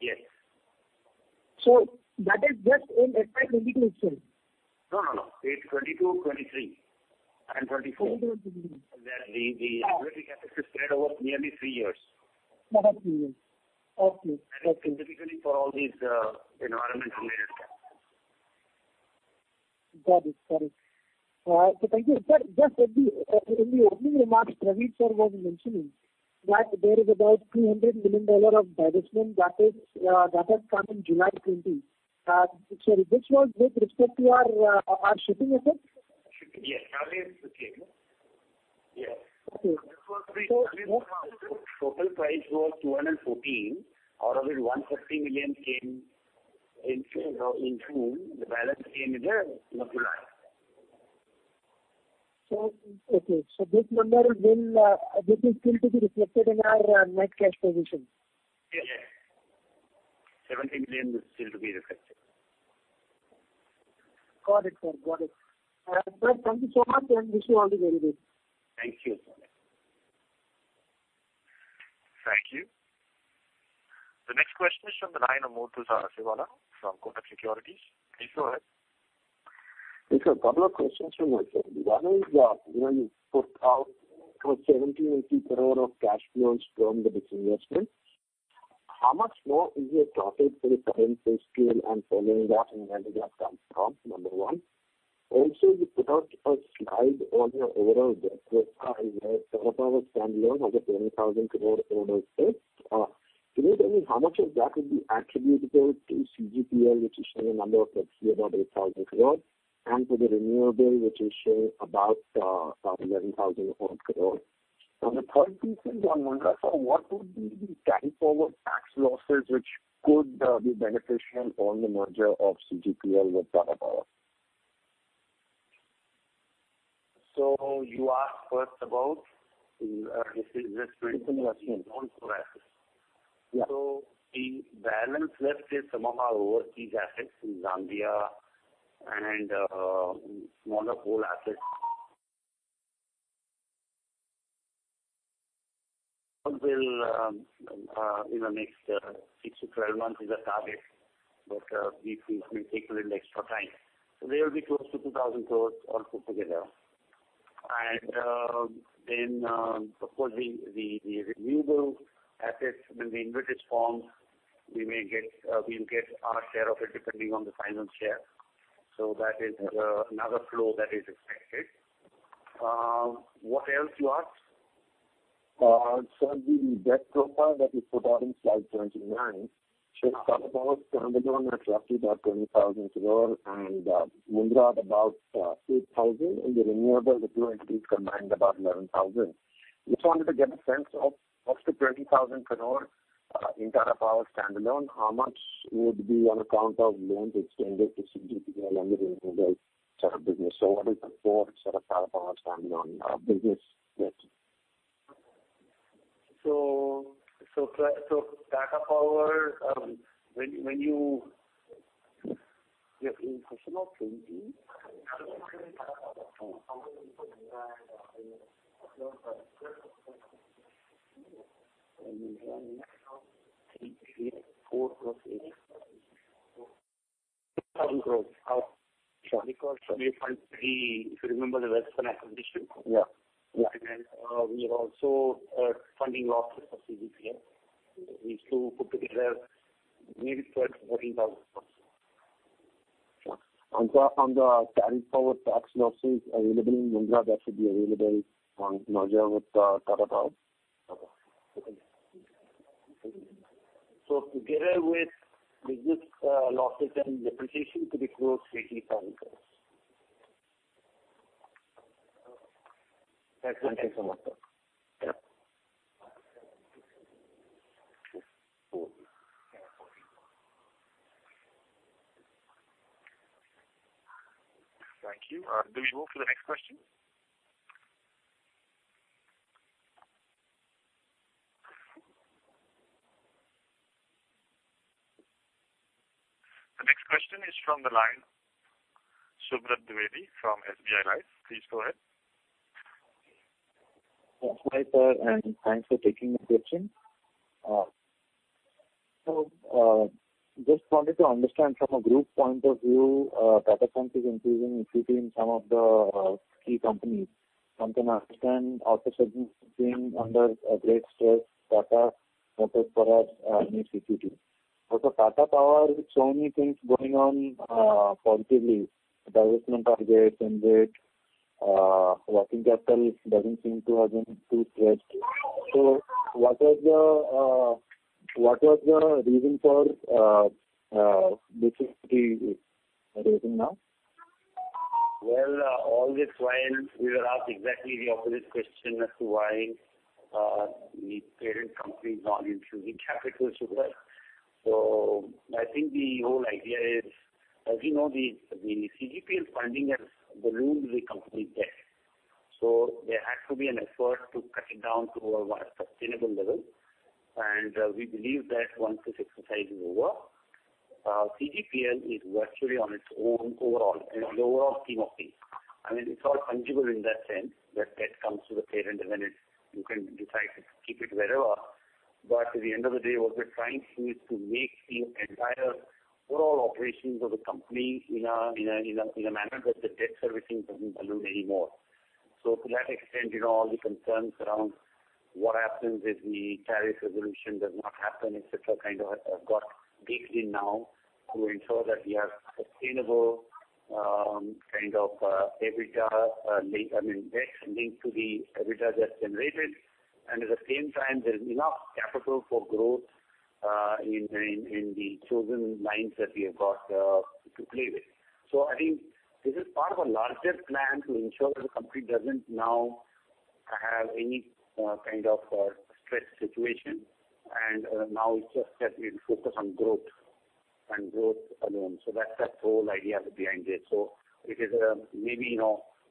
Yes. That is just in FY 2022 itself? No. It's 2022, 2023, and 2024. 2022, 2023. That the regulatory CapEx is spread over nearly three years. Over three years. Okay. It's specifically for all these environment-related stuff. Got it, sir. Thank you. Sir, just in the opening remarks, Praveer sir was mentioning that there is about INR 300 million of divestment that has come in July 2020. Sir, this was with respect to our shipping assets? Shipping, yes. Okay. Total price was 214. Out of it, 150 million came in June. The balance came in July. Okay. This number, this is still to be reflected in our net cash position? Yes. 70 million is still to be reflected. Got it, sir. Got it. Sir, thank you so much, and wish you all the very best. Thank you. Thank you. The next question is from the line of Muthu Saravanan from Kotak Securities. Please go ahead. Yes, sir. A couple of questions from my side. One is, you put out close to 1,780 crore of cash flows from the disinvestment. How much more is your target for the current fiscal and following that, and where does that come from? Number one. You put out a slide on your overall debt profile where Tata Power standalone has a INR 10,000 crore overall debt. Can you tell me how much of that would be attributable to CGPL, which is showing a number of close to about 8,000 crore, and to the renewable, which is showing about 11,000 odd crore? The third piece is on Mundra. Sir, what would be the carry forward tax losses which could be beneficial on the merger of CGPL with Tata Power? You asked first about disinvestment. Disinvestment of non-core assets. Yeah. The balance left is some of our overseas assets in Zambia and IndoCoal asset will in the next 6-12 months is a target, but this may take a little extra time. They will be close to 2,000 crore all put together. Then, of course, the renewable assets in the InvIT form, we will get our share of it depending on the final share. That is another flow that is expected. What else you asked? Sir, the debt profile that you put out in slide 29, shows Tata Power standalone at roughly about 20,000 crore and Mundra at about 8,000 crore, and the renewable, the two entities combined about 11,000 crore. Just wanted to get a sense of the 20,000 crore in Tata Power standalone, how much would be on account of loans extended to CGPL under the renewable sort of business? What is the core Tata Power standalone business debt? Tata Power, when you. Yes. In question number 20. 4+8. INR 8,000 crore. Sure. We find three, if you remember the Western acquisition. Yeah. We are also funding losses for CGPL. These two put together, maybe INR 12,000 crore, INR 14,000 crore. Sure. On the carry forward tax losses available in Mundra, that should be available on merger with Tata Power? Together with business losses and depreciation, it will be close to INR 18,000 crore. Thank you so much, sir. Yeah. Thank you. Do we move to the next question? The next question is from the line, Subrat Dwivedi from SBI Life. Please go ahead. Hi sir. Thanks for taking the question. Just wanted to understand from a group point of view, data points is increasing, including some of the key companies, something Arista and Office Range being under great stress. Tata Motors Power and EPC. Also Tata Power, with so many things going on positively, divestment targets, working capital doesn't seem to have any too stressed. What was the reason for this EPC raising now? All this while we were asked exactly the opposite question as to why the parent company is not infusing capital, Subrat. I think the whole idea is, as you know, the CGPL funding has ballooned the company debt. There had to be an effort to cut it down to a more sustainable level. We believe that once this exercise is over, CGPL is virtually on its own overall in the overall scheme of things. I mean, it's all fungible in that sense, that debt comes to the parent and you can decide to keep it wherever. At the end of the day, what we're trying to do is to make the entire overall operations of the company in a manner that the debt servicing doesn't balloon anymore. To that extent, all the concerns around what happens if the carriage resolution does not happen, et cetera, kind of got baked in now to ensure that we have sustainable kind of EBITDA, I mean, debt linked to the EBITDA that's generated. At the same time, there's enough capital for growth in the chosen lines that we have got to play with. I think this is part of a larger plan to ensure that the company doesn't now have any kind of stress situation, and now it's just that we focus on growth and growth alone. That's the whole idea behind it. Maybe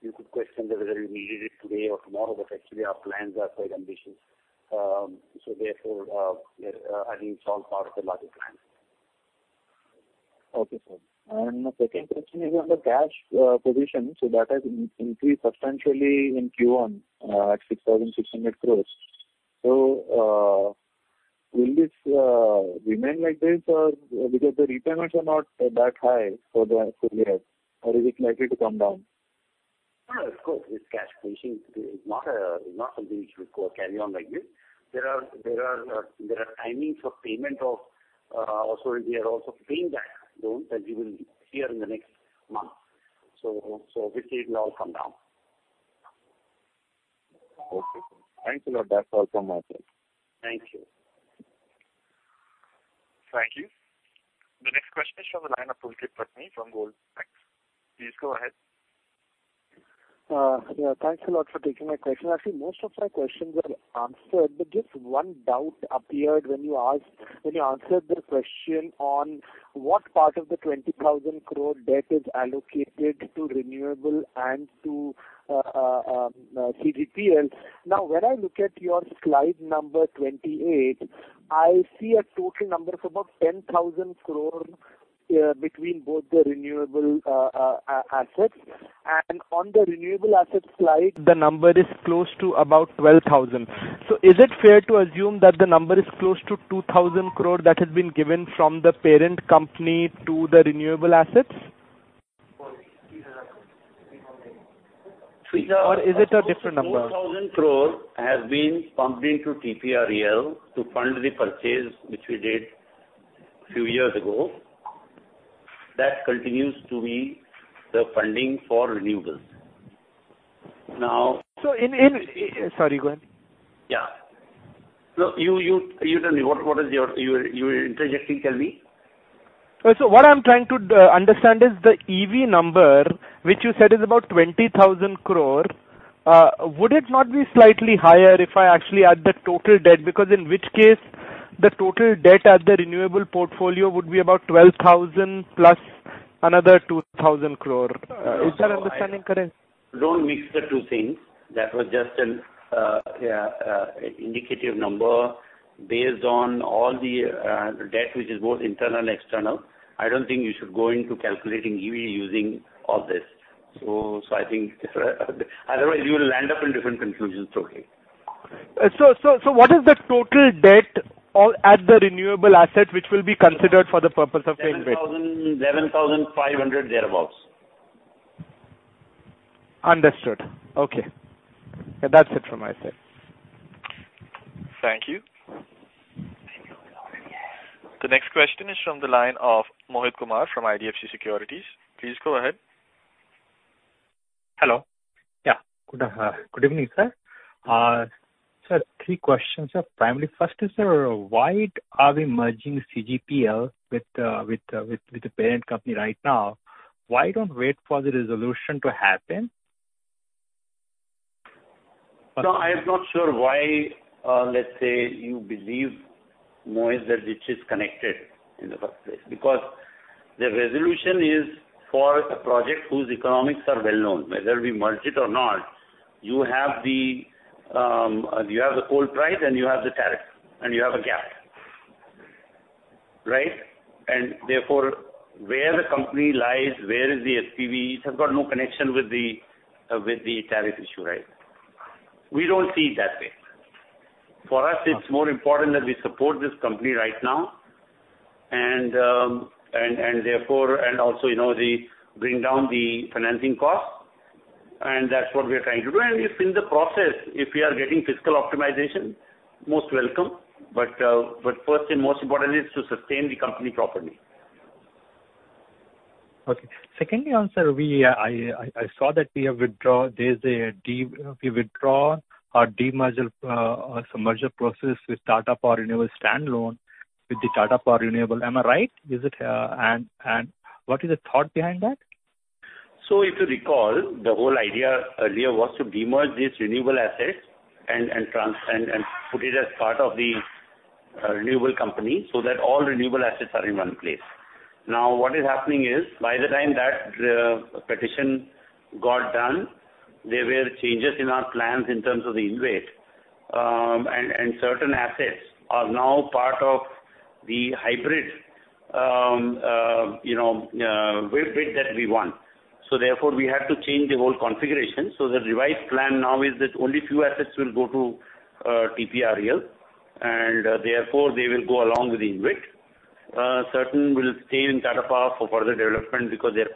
you could question whether we needed it today or tomorrow, but actually our plans are quite ambitious. Therefore, I think it's all part of the larger plan. Okay, sir. The second question is on the cash position. That has increased substantially in Q1 at 6,600 crore. Will this remain like this or because the repayments are not that high for the full year or is it likely to come down? No, of course, this cash position is not something which will carry on like this. We are also paying back loans that you will hear in the next month. Obviously it will all come down. Okay. Thanks a lot. That's all from my side. Thank you. Thank you. The next question is from the line of Pulkit Patni from Goldman Sachs. Please go ahead. Yeah. Thanks a lot for taking my question. Actually, most of my questions were answered, but just one doubt appeared when you answered the question on what part of the 20,000 crore debt is allocated to renewable and to CGPL. Now, when I look at your slide number 28, I see a total number of about 10,000 crore between both the renewable assets. On the renewable assets slide, the number is close to about 12,000 crore. Is it fair to assume that the number is close to 2,000 crore that has been given from the parent company to the renewable assets? Is it a different number? 4,000 crore has been pumped into TPREL to fund the purchase which we did few years ago. That continues to be the funding for renewables. Sorry, go ahead. Yeah. No, you tell me, you were interjecting. Tell me. What I'm trying to understand is the EV number, which you said is about 20,000 crore. Would it not be slightly higher if I actually add the total debt? Because in which case, the total debt at the renewable portfolio would be about 12,000 crore plus another 2,000 crore. Is my understanding correct? Don't mix the two things. That was just an indicative number based on all the debt, which is both internal and external. I don't think you should go into calculating EV using all this. Otherwise, you will end up in different conclusions totally. What is the total debt at the renewable asset, which will be considered for the purpose of paying InvIT? 11,500 crore thereabouts. Understood. Okay. That's it from my side. Thank you. The next question is from the line of Mohit Kumar from IDFC Securities. Please go ahead. Hello. Yeah. Good evening sir. Sir, three questions. Primarily, first is, sir, why are we merging CGPL with the parent company right now? Why don't wait for the resolution to happen? I am not sure why, let's say, you believe, Mohit, that it is connected in the first place. The resolution is for a project whose economics are well known. Whether we merge it or not, you have the coal price, and you have the tariff, and you have a gap. Right? Therefore, where the company lies, where is the SPV, it has got no connection with the tariff issue, right? We don't see it that way. For us, it's more important that we support this company right now, and also bring down the financing cost. That's what we are trying to do. If in the process, if we are getting fiscal optimization, most welcome, but first and most important is to sustain the company properly. Okay. Secondly, sir, I saw that we have withdrawn our de-merger, some merger process with Tata Power Renewable standalone with Tata Power Renewable. Am I right? What is the thought behind that? If you recall, the whole idea earlier was to de-merge these renewable assets and put it as part of the renewable company so that all renewable assets are in one place. What is happening is, by the time that petition got done, there were changes in our plans in terms of the InvIT. Certain assets are now part of the hybrid bid that we won. Therefore, we have to change the whole configuration. The revised plan now is that only few assets will go to TPREL, and therefore they will go along with the InvIT. Certain will stay in Tata Power for further development because their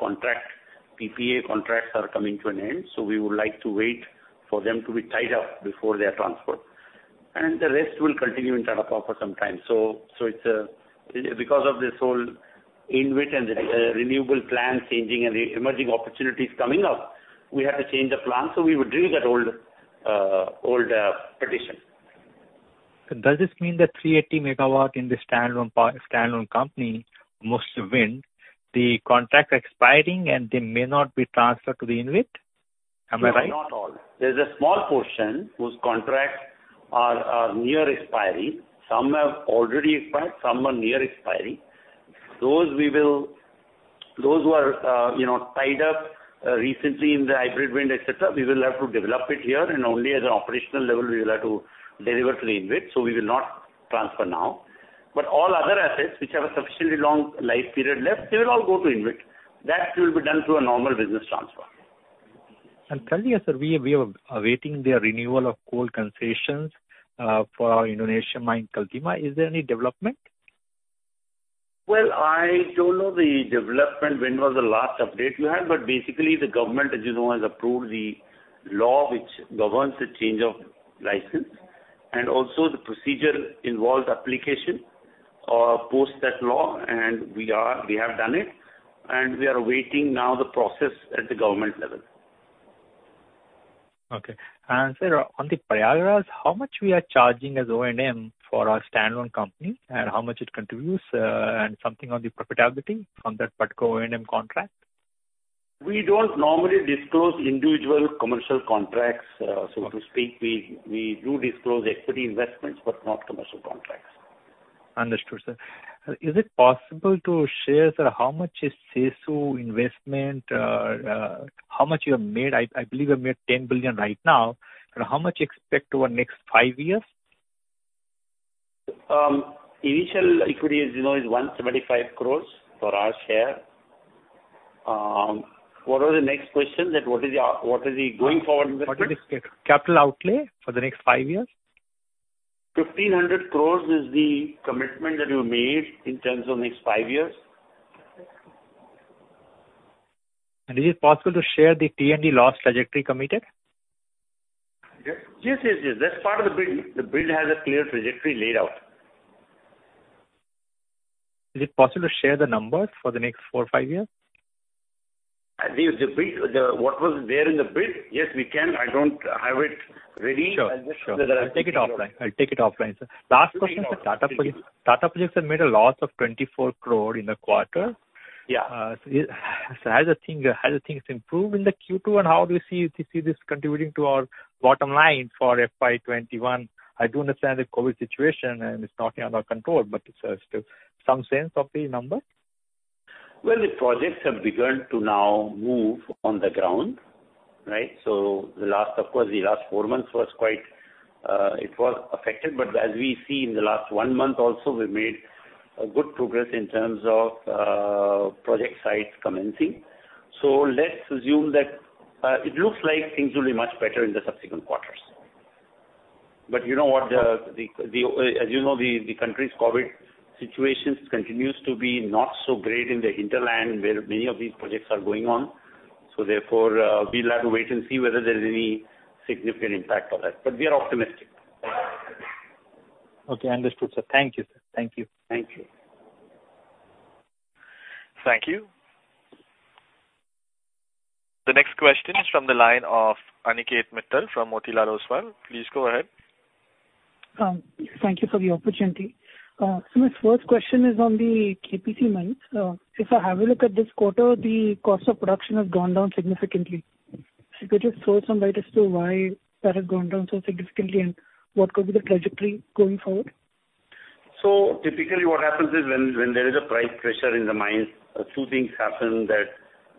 PPA contracts are coming to an end. We would like to wait for them to be tied up before they are transferred. The rest will continue in Tata Power for some time. It's because of this whole InvIT and the renewable plan changing and the emerging opportunities coming up, we have to change the plan, so we withdrew that old petition. Does this mean that 380 MW in the standalone company, most wind, the contract expiring and they may not be transferred to the InvIT? Am I right? Not all. There's a small portion whose contracts are near expiry. Some have already expired, some are near expiry. Those who are tied up recently in the hybrid wind, et cetera, we will have to develop it here, and only at the operational level, we will have to deliver to the InvIT. We will not transfer now. All other assets which have a sufficiently long life period left, they will all go to the InvIT. That will be done through a normal business transfer. Thirdly, sir, we are awaiting the renewal of coal concessions for our Indonesian mine, Kaltim Prima. Is there any development? Well, I don't know the development, when was the last update you had. Basically, the government, as you know, has approved the law which governs the change of license. Also, the procedure involves application post that law, and we have done it, and we are awaiting now the process at the government level. Okay. Sir, on the Prayagraj, how much we are charging as O&M for our standalone company, and how much it contributes, and something on the profitability from that Patco O&M contract? We don't normally disclose individual commercial contracts, so to speak. We do disclose equity investments, but not commercial contracts. Understood, sir. Is it possible to share, sir, how much is CESU investment? How much you have made? I believe you have made 10 billion right now. How much you expect over next five years? Initial equity, as you know, is 175 crore for our share. What was the next question? What is the going forward investment? What is the capital outlay for the next five years? 1,500 crore is the commitment that we have made in terms of next five years. Is it possible to share the T&D loss trajectory committed? Yes. That's part of the bid. The bid has a clear trajectory laid out. Is it possible to share the numbers for the next four or five years? What was there in the bid, yes, we can. I don't have it ready. Sure. I'll get it to you. I'll take it offline, sir. Last question is on Tata Projects. Tata Projects have made a loss of 24 crore in the quarter. Yeah. How do things improve in the Q2, and how do you see this contributing to our bottom line for FY 2021? I do understand the COVID situation, and it's not in our control, but still, some sense of the number? The projects have begun to now move on the ground, right. Of course, the last four months, it was affected. As we see in the last one month also, we've made a good progress in terms of project sites commencing. Let's assume that it looks like things will be much better in the subsequent quarters. As you know, the country's COVID situation continues to be not so great in the hinterland where many of these projects are going on. Therefore, we'll have to wait and see whether there's any significant impact of that, but we are optimistic. Okay understood, sir. Thank you, sir. Thank you. Thank you. The next question is from the line of Aniket Mittal from Motilal Oswal. Please go ahead. Thank you for the opportunity. My first question is on the KPC mines. If I have a look at this quarter, the cost of production has gone down significantly. If you could just throw some light as to why that has gone down so significantly, and what could be the trajectory going forward. Typically, what happens is when there is a price pressure in the mines, two things happen that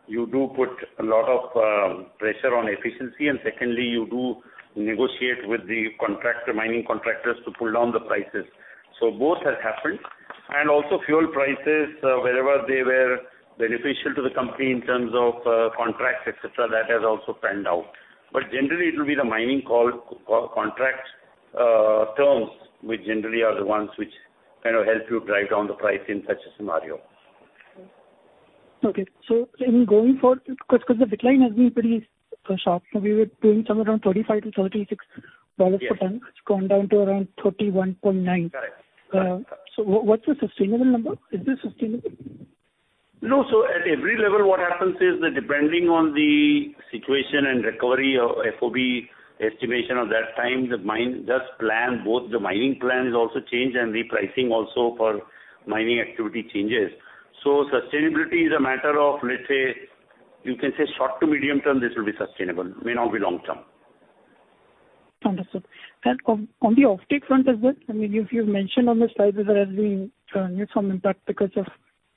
you do put a lot of pressure on efficiency, and secondly, you do negotiate with the mining contractors to pull down the prices. Both has happened. Also fuel prices, wherever they were beneficial to the company in terms of contracts, et cetera, that has also panned out. Generally, it will be the mining contract terms, which generally are the ones which kind of help you drive down the price in such a scenario. Okay. In going forward, because the decline has been pretty sharp. We were doing somewhere around $35-$36 per ton. Yes. It's gone down to around $31.9. Correct. What's the sustainable number? Is this sustainable? No. At every level, what happens is that depending on the situation and recovery of FOB estimation of that time, thus plan, both the mining plan is also changed and repricing also for mining activity changes. Sustainability is a matter of, let's say, you can say short to medium-term, this will be sustainable. May not be long-term. Understood. On the offtake front as well, you've mentioned on the slides that has been hit some impact because of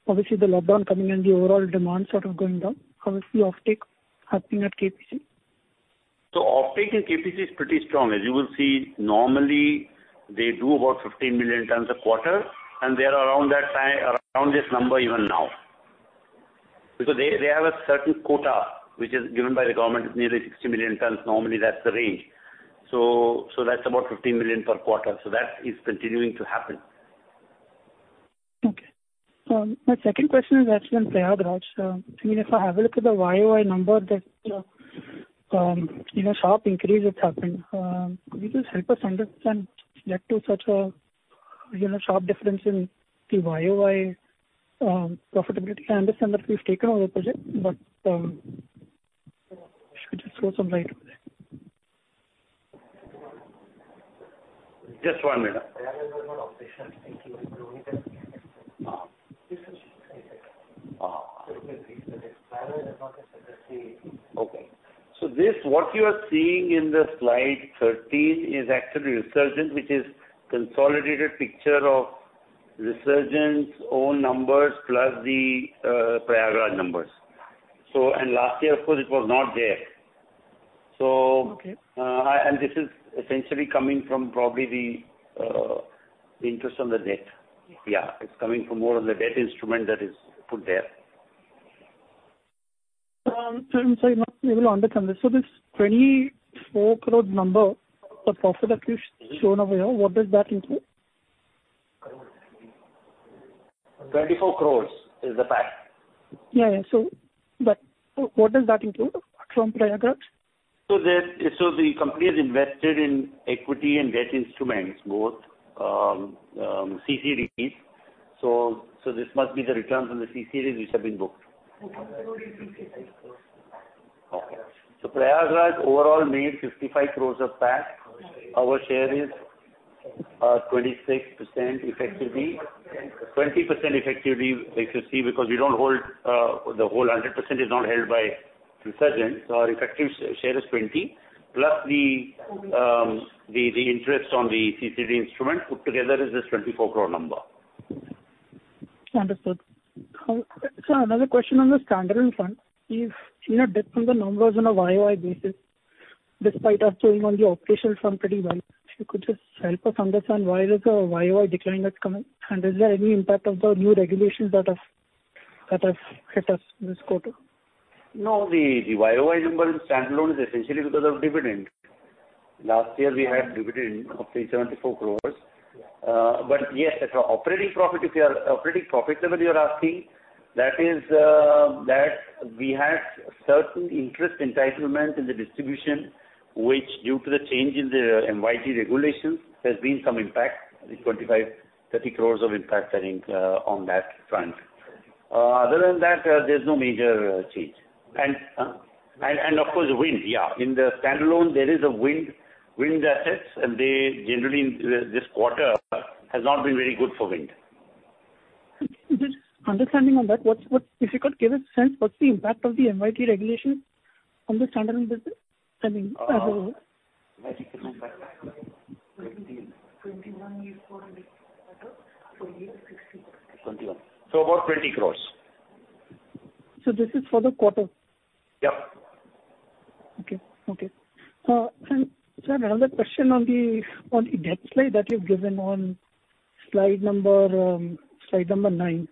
obviously the lockdown coming in, the overall demand sort of going down. How is the offtake happening at KPC? Offtake in KPC is pretty strong. As you will see, normally they do about 15 million tons a quarter, and they are around this number even now. Because they have a certain quota, which is given by the government, it's nearly 60 million tons. Normally, that's the range. That's about 15 million per quarter. That is continuing to happen. Okay. My second question is actually on Prayagraj. If I have a look at the year-over-year number that sharp increase that's happened, could you just help us understand what led to such a sharp difference in the year-over-year profitability? I understand that we've taken over the project, but could you just throw some light over there? Just one minute. Okay. What you are seeing in the slide 13 is actually Resurgent, which is consolidated picture of Resurgent's own numbers plus the Prayagraj numbers. Last year, of course, it was not there. Okay. This is essentially coming from probably the interest on the debt. Yeah. It's coming from more of the debt instrument that is put there. Sir, I'm sorry, I'm not able to understand this. This 24 crore number, the profit that you've shown over here, what does that include? 24 crore is the PAT? Yeah. What does that include from Prayagraj? The company has invested in equity and debt instruments both CCDs. This must be the return from the CCDs which have been booked. Okay. Prayagraj overall made 55 crore of PAT. Our share is 26% effectively. 20% effectively, because the whole 100% is not held by Resurgent. Our effective share is 20, plus the interest on the CCD instrument put together is this 24 crore number. Understood. Sir, another question on the standalone front. We've seen a dip from the numbers on a year-over-year basis, despite us doing on the operational front pretty well. If you could just help us understand why there's a year-over-year decline that's coming, and is there any impact of the new regulations that have hit us this quarter? No, the year-over-year number in standalone is essentially because of dividend. Last year, we had dividend of 74 crore. Yes, operating profit level you're asking, that we had certain interest entitlement in the distribution, which due to the change in the MYT regulations, there's been some impact, 25 crore-30 crore of impact on that front. Other than that, there's no major change. Of course, wind, yeah. In the standalone, there is wind assets, and generally this quarter has not been very good for wind. Just understanding on that, if you could give a sense, what's the impact of the MYT regulations on the standalone business as a whole? About 20 crore. This is for the quarter? Yep. Okay. Sir, another question on the debt slide that you've given on slide number nine.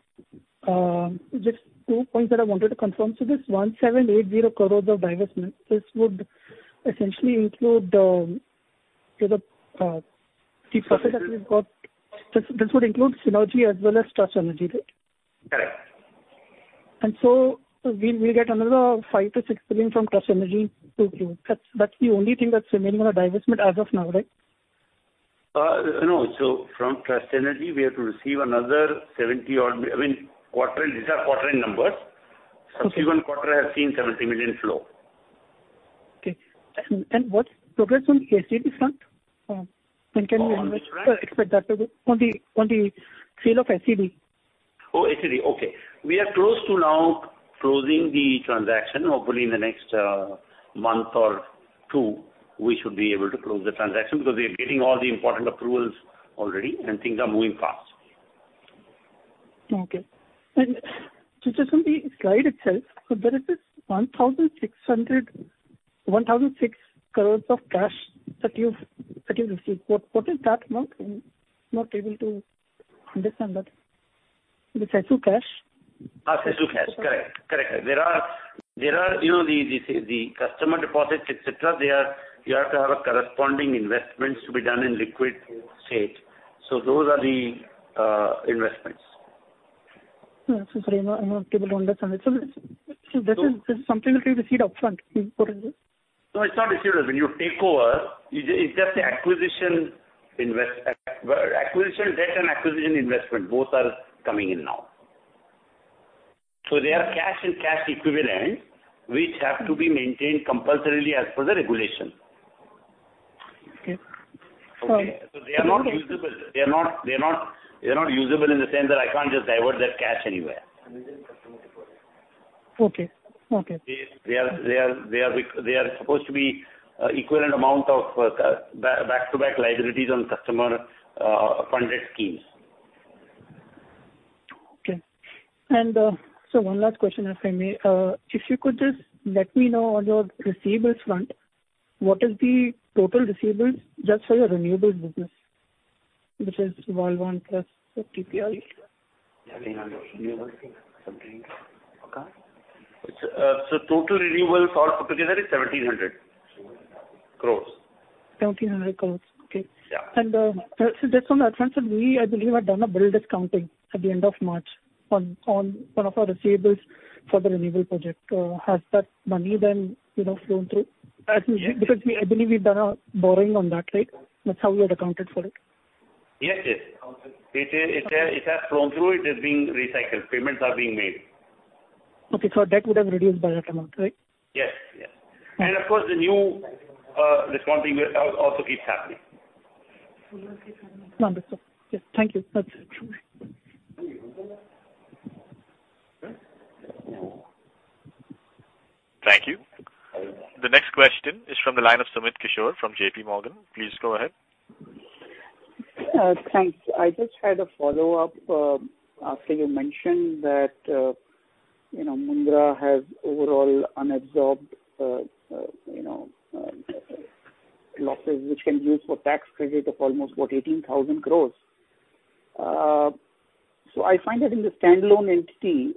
Just two points that I wanted to confirm. This 1,780 crore of divestment, this would essentially include the profit that we've got. This would include Synergy as well as Trust Energy, right? Correct. We'll get another 5 billion-6 billion from Trust Energy to you. That's the only thing that's remaining on a divestment as of now, right? No. From Trust Energy, we have to receive another 70 odd. These are quarter end numbers. Okay. Q1 quarter has seen 70 million flow. Okay. What's progress on the HDB front? Can we expect that on the sale of HDB? HDB, okay. We are close to now closing the transaction. Hopefully in the next month or two, we should be able to close the transaction because we are getting all the important approvals already, and things are moving fast. Okay. Just on the guide itself, there is this 1,600, 1,006 crore of cash that you've received. What is that amount? I'm not able to understand that. Is it CESU cash? CESU cash. Correct. There are the customer deposits, et cetera. You have to have corresponding investments to be done in liquid state. Those are the investments. Sorry, I'm not able to understand. This is something that you've received upfront? No, it's not received. When you take over, it's just the acquisition debt and acquisition investment. Both are coming in now. They are cash and cash equivalent, which have to be maintained compulsorily as per the regulation. Okay. Sorry. They are not usable. They're not usable in the sense that I can't just divert that cash anywhere. Okay. They are supposed to be equivalent amount of back-to-back liabilities on customer-funded schemes. Okay. One last question, if I may. If you could just let me know on your receivables front, what is the total receivables just for your renewables business, which is Walwhan plus TPI? Total renewables all put together is 1,700 crore. 1,700 crore. Okay. Yeah. Just on that front, sir, we, I believe, had done a bill discounting at the end of March on one of our receivables for the renewable project. Has that money then flown through? I believe we've done our borrowing on that, right? That's how we had accounted for it. Yes. It has flown through. It is being recycled. Payments are being made. Okay. Our debt would have reduced by that amount, right? Of course, the new discounting also keeps happening. Wonderful. Thank you. That's it. Thank you. The next question is from the line of Sumit Kishore from JPMorgan. Please go ahead. Thanks. I just had a follow-up after you mentioned that Mundra has overall unabsorbed losses which can be used for tax credit of almost 18,000 crore. I find that in the standalone entity,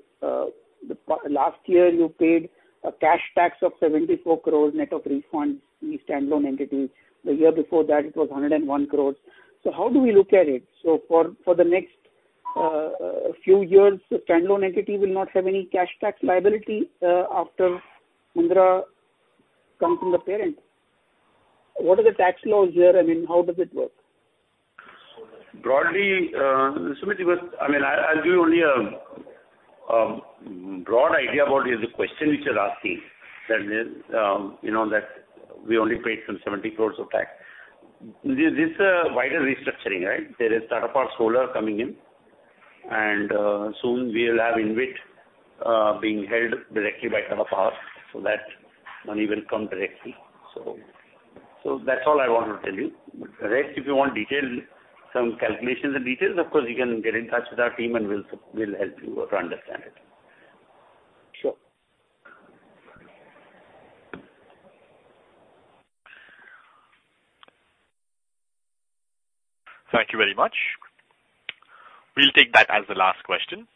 last year you paid a cash tax of 74 crore net of refunds in the standalone entity. The year before that it was 101 crore. How do we look at it? For the next few years, the standalone entity will not have any cash tax liability after Mundra comes in the parent. What are the tax laws here? How does it work? Broadly, Sumit, I'll give you only a broad idea about the question which you're asking. That we only paid some 70 crore of tax. This is a wider restructuring, right? There is Tata Power Solar coming in, and soon we'll have InvIT being held directly by Tata Power, so that money will come directly. That's all I want to tell you. The rest, if you want detail, some calculations and details, of course, you can get in touch with our team and we'll help you to understand it. Sure. Thank you very much. We'll take that as the last question.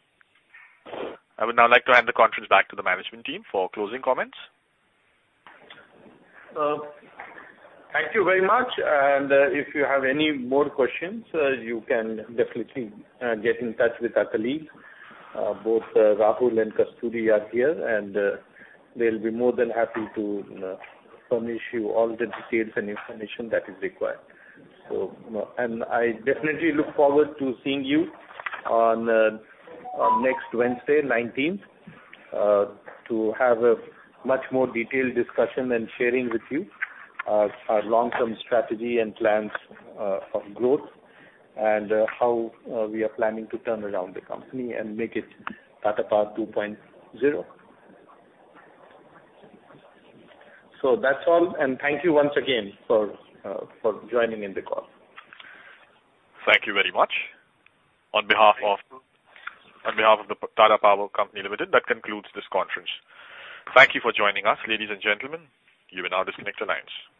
I would now like to hand the conference back to the management team for closing comments. Thank you very much. If you have any more questions, you can definitely get in touch with our colleagues. Both Rahul and Kasturi are here, and they'll be more than happy to furnish you all the details and information that is required. I definitely look forward to seeing you on next Wednesday, 19th, to have a much more detailed discussion and sharing with you our long-term strategy and plans of growth and how we are planning to turn around the company and make it Tata Power 2.0. That's all, thank you once again for joining in the call. Thank you very much. On behalf of The Tata Power Company Limited, that concludes this conference. Thank you for joining us, ladies and gentlemen. You may now disconnect your lines.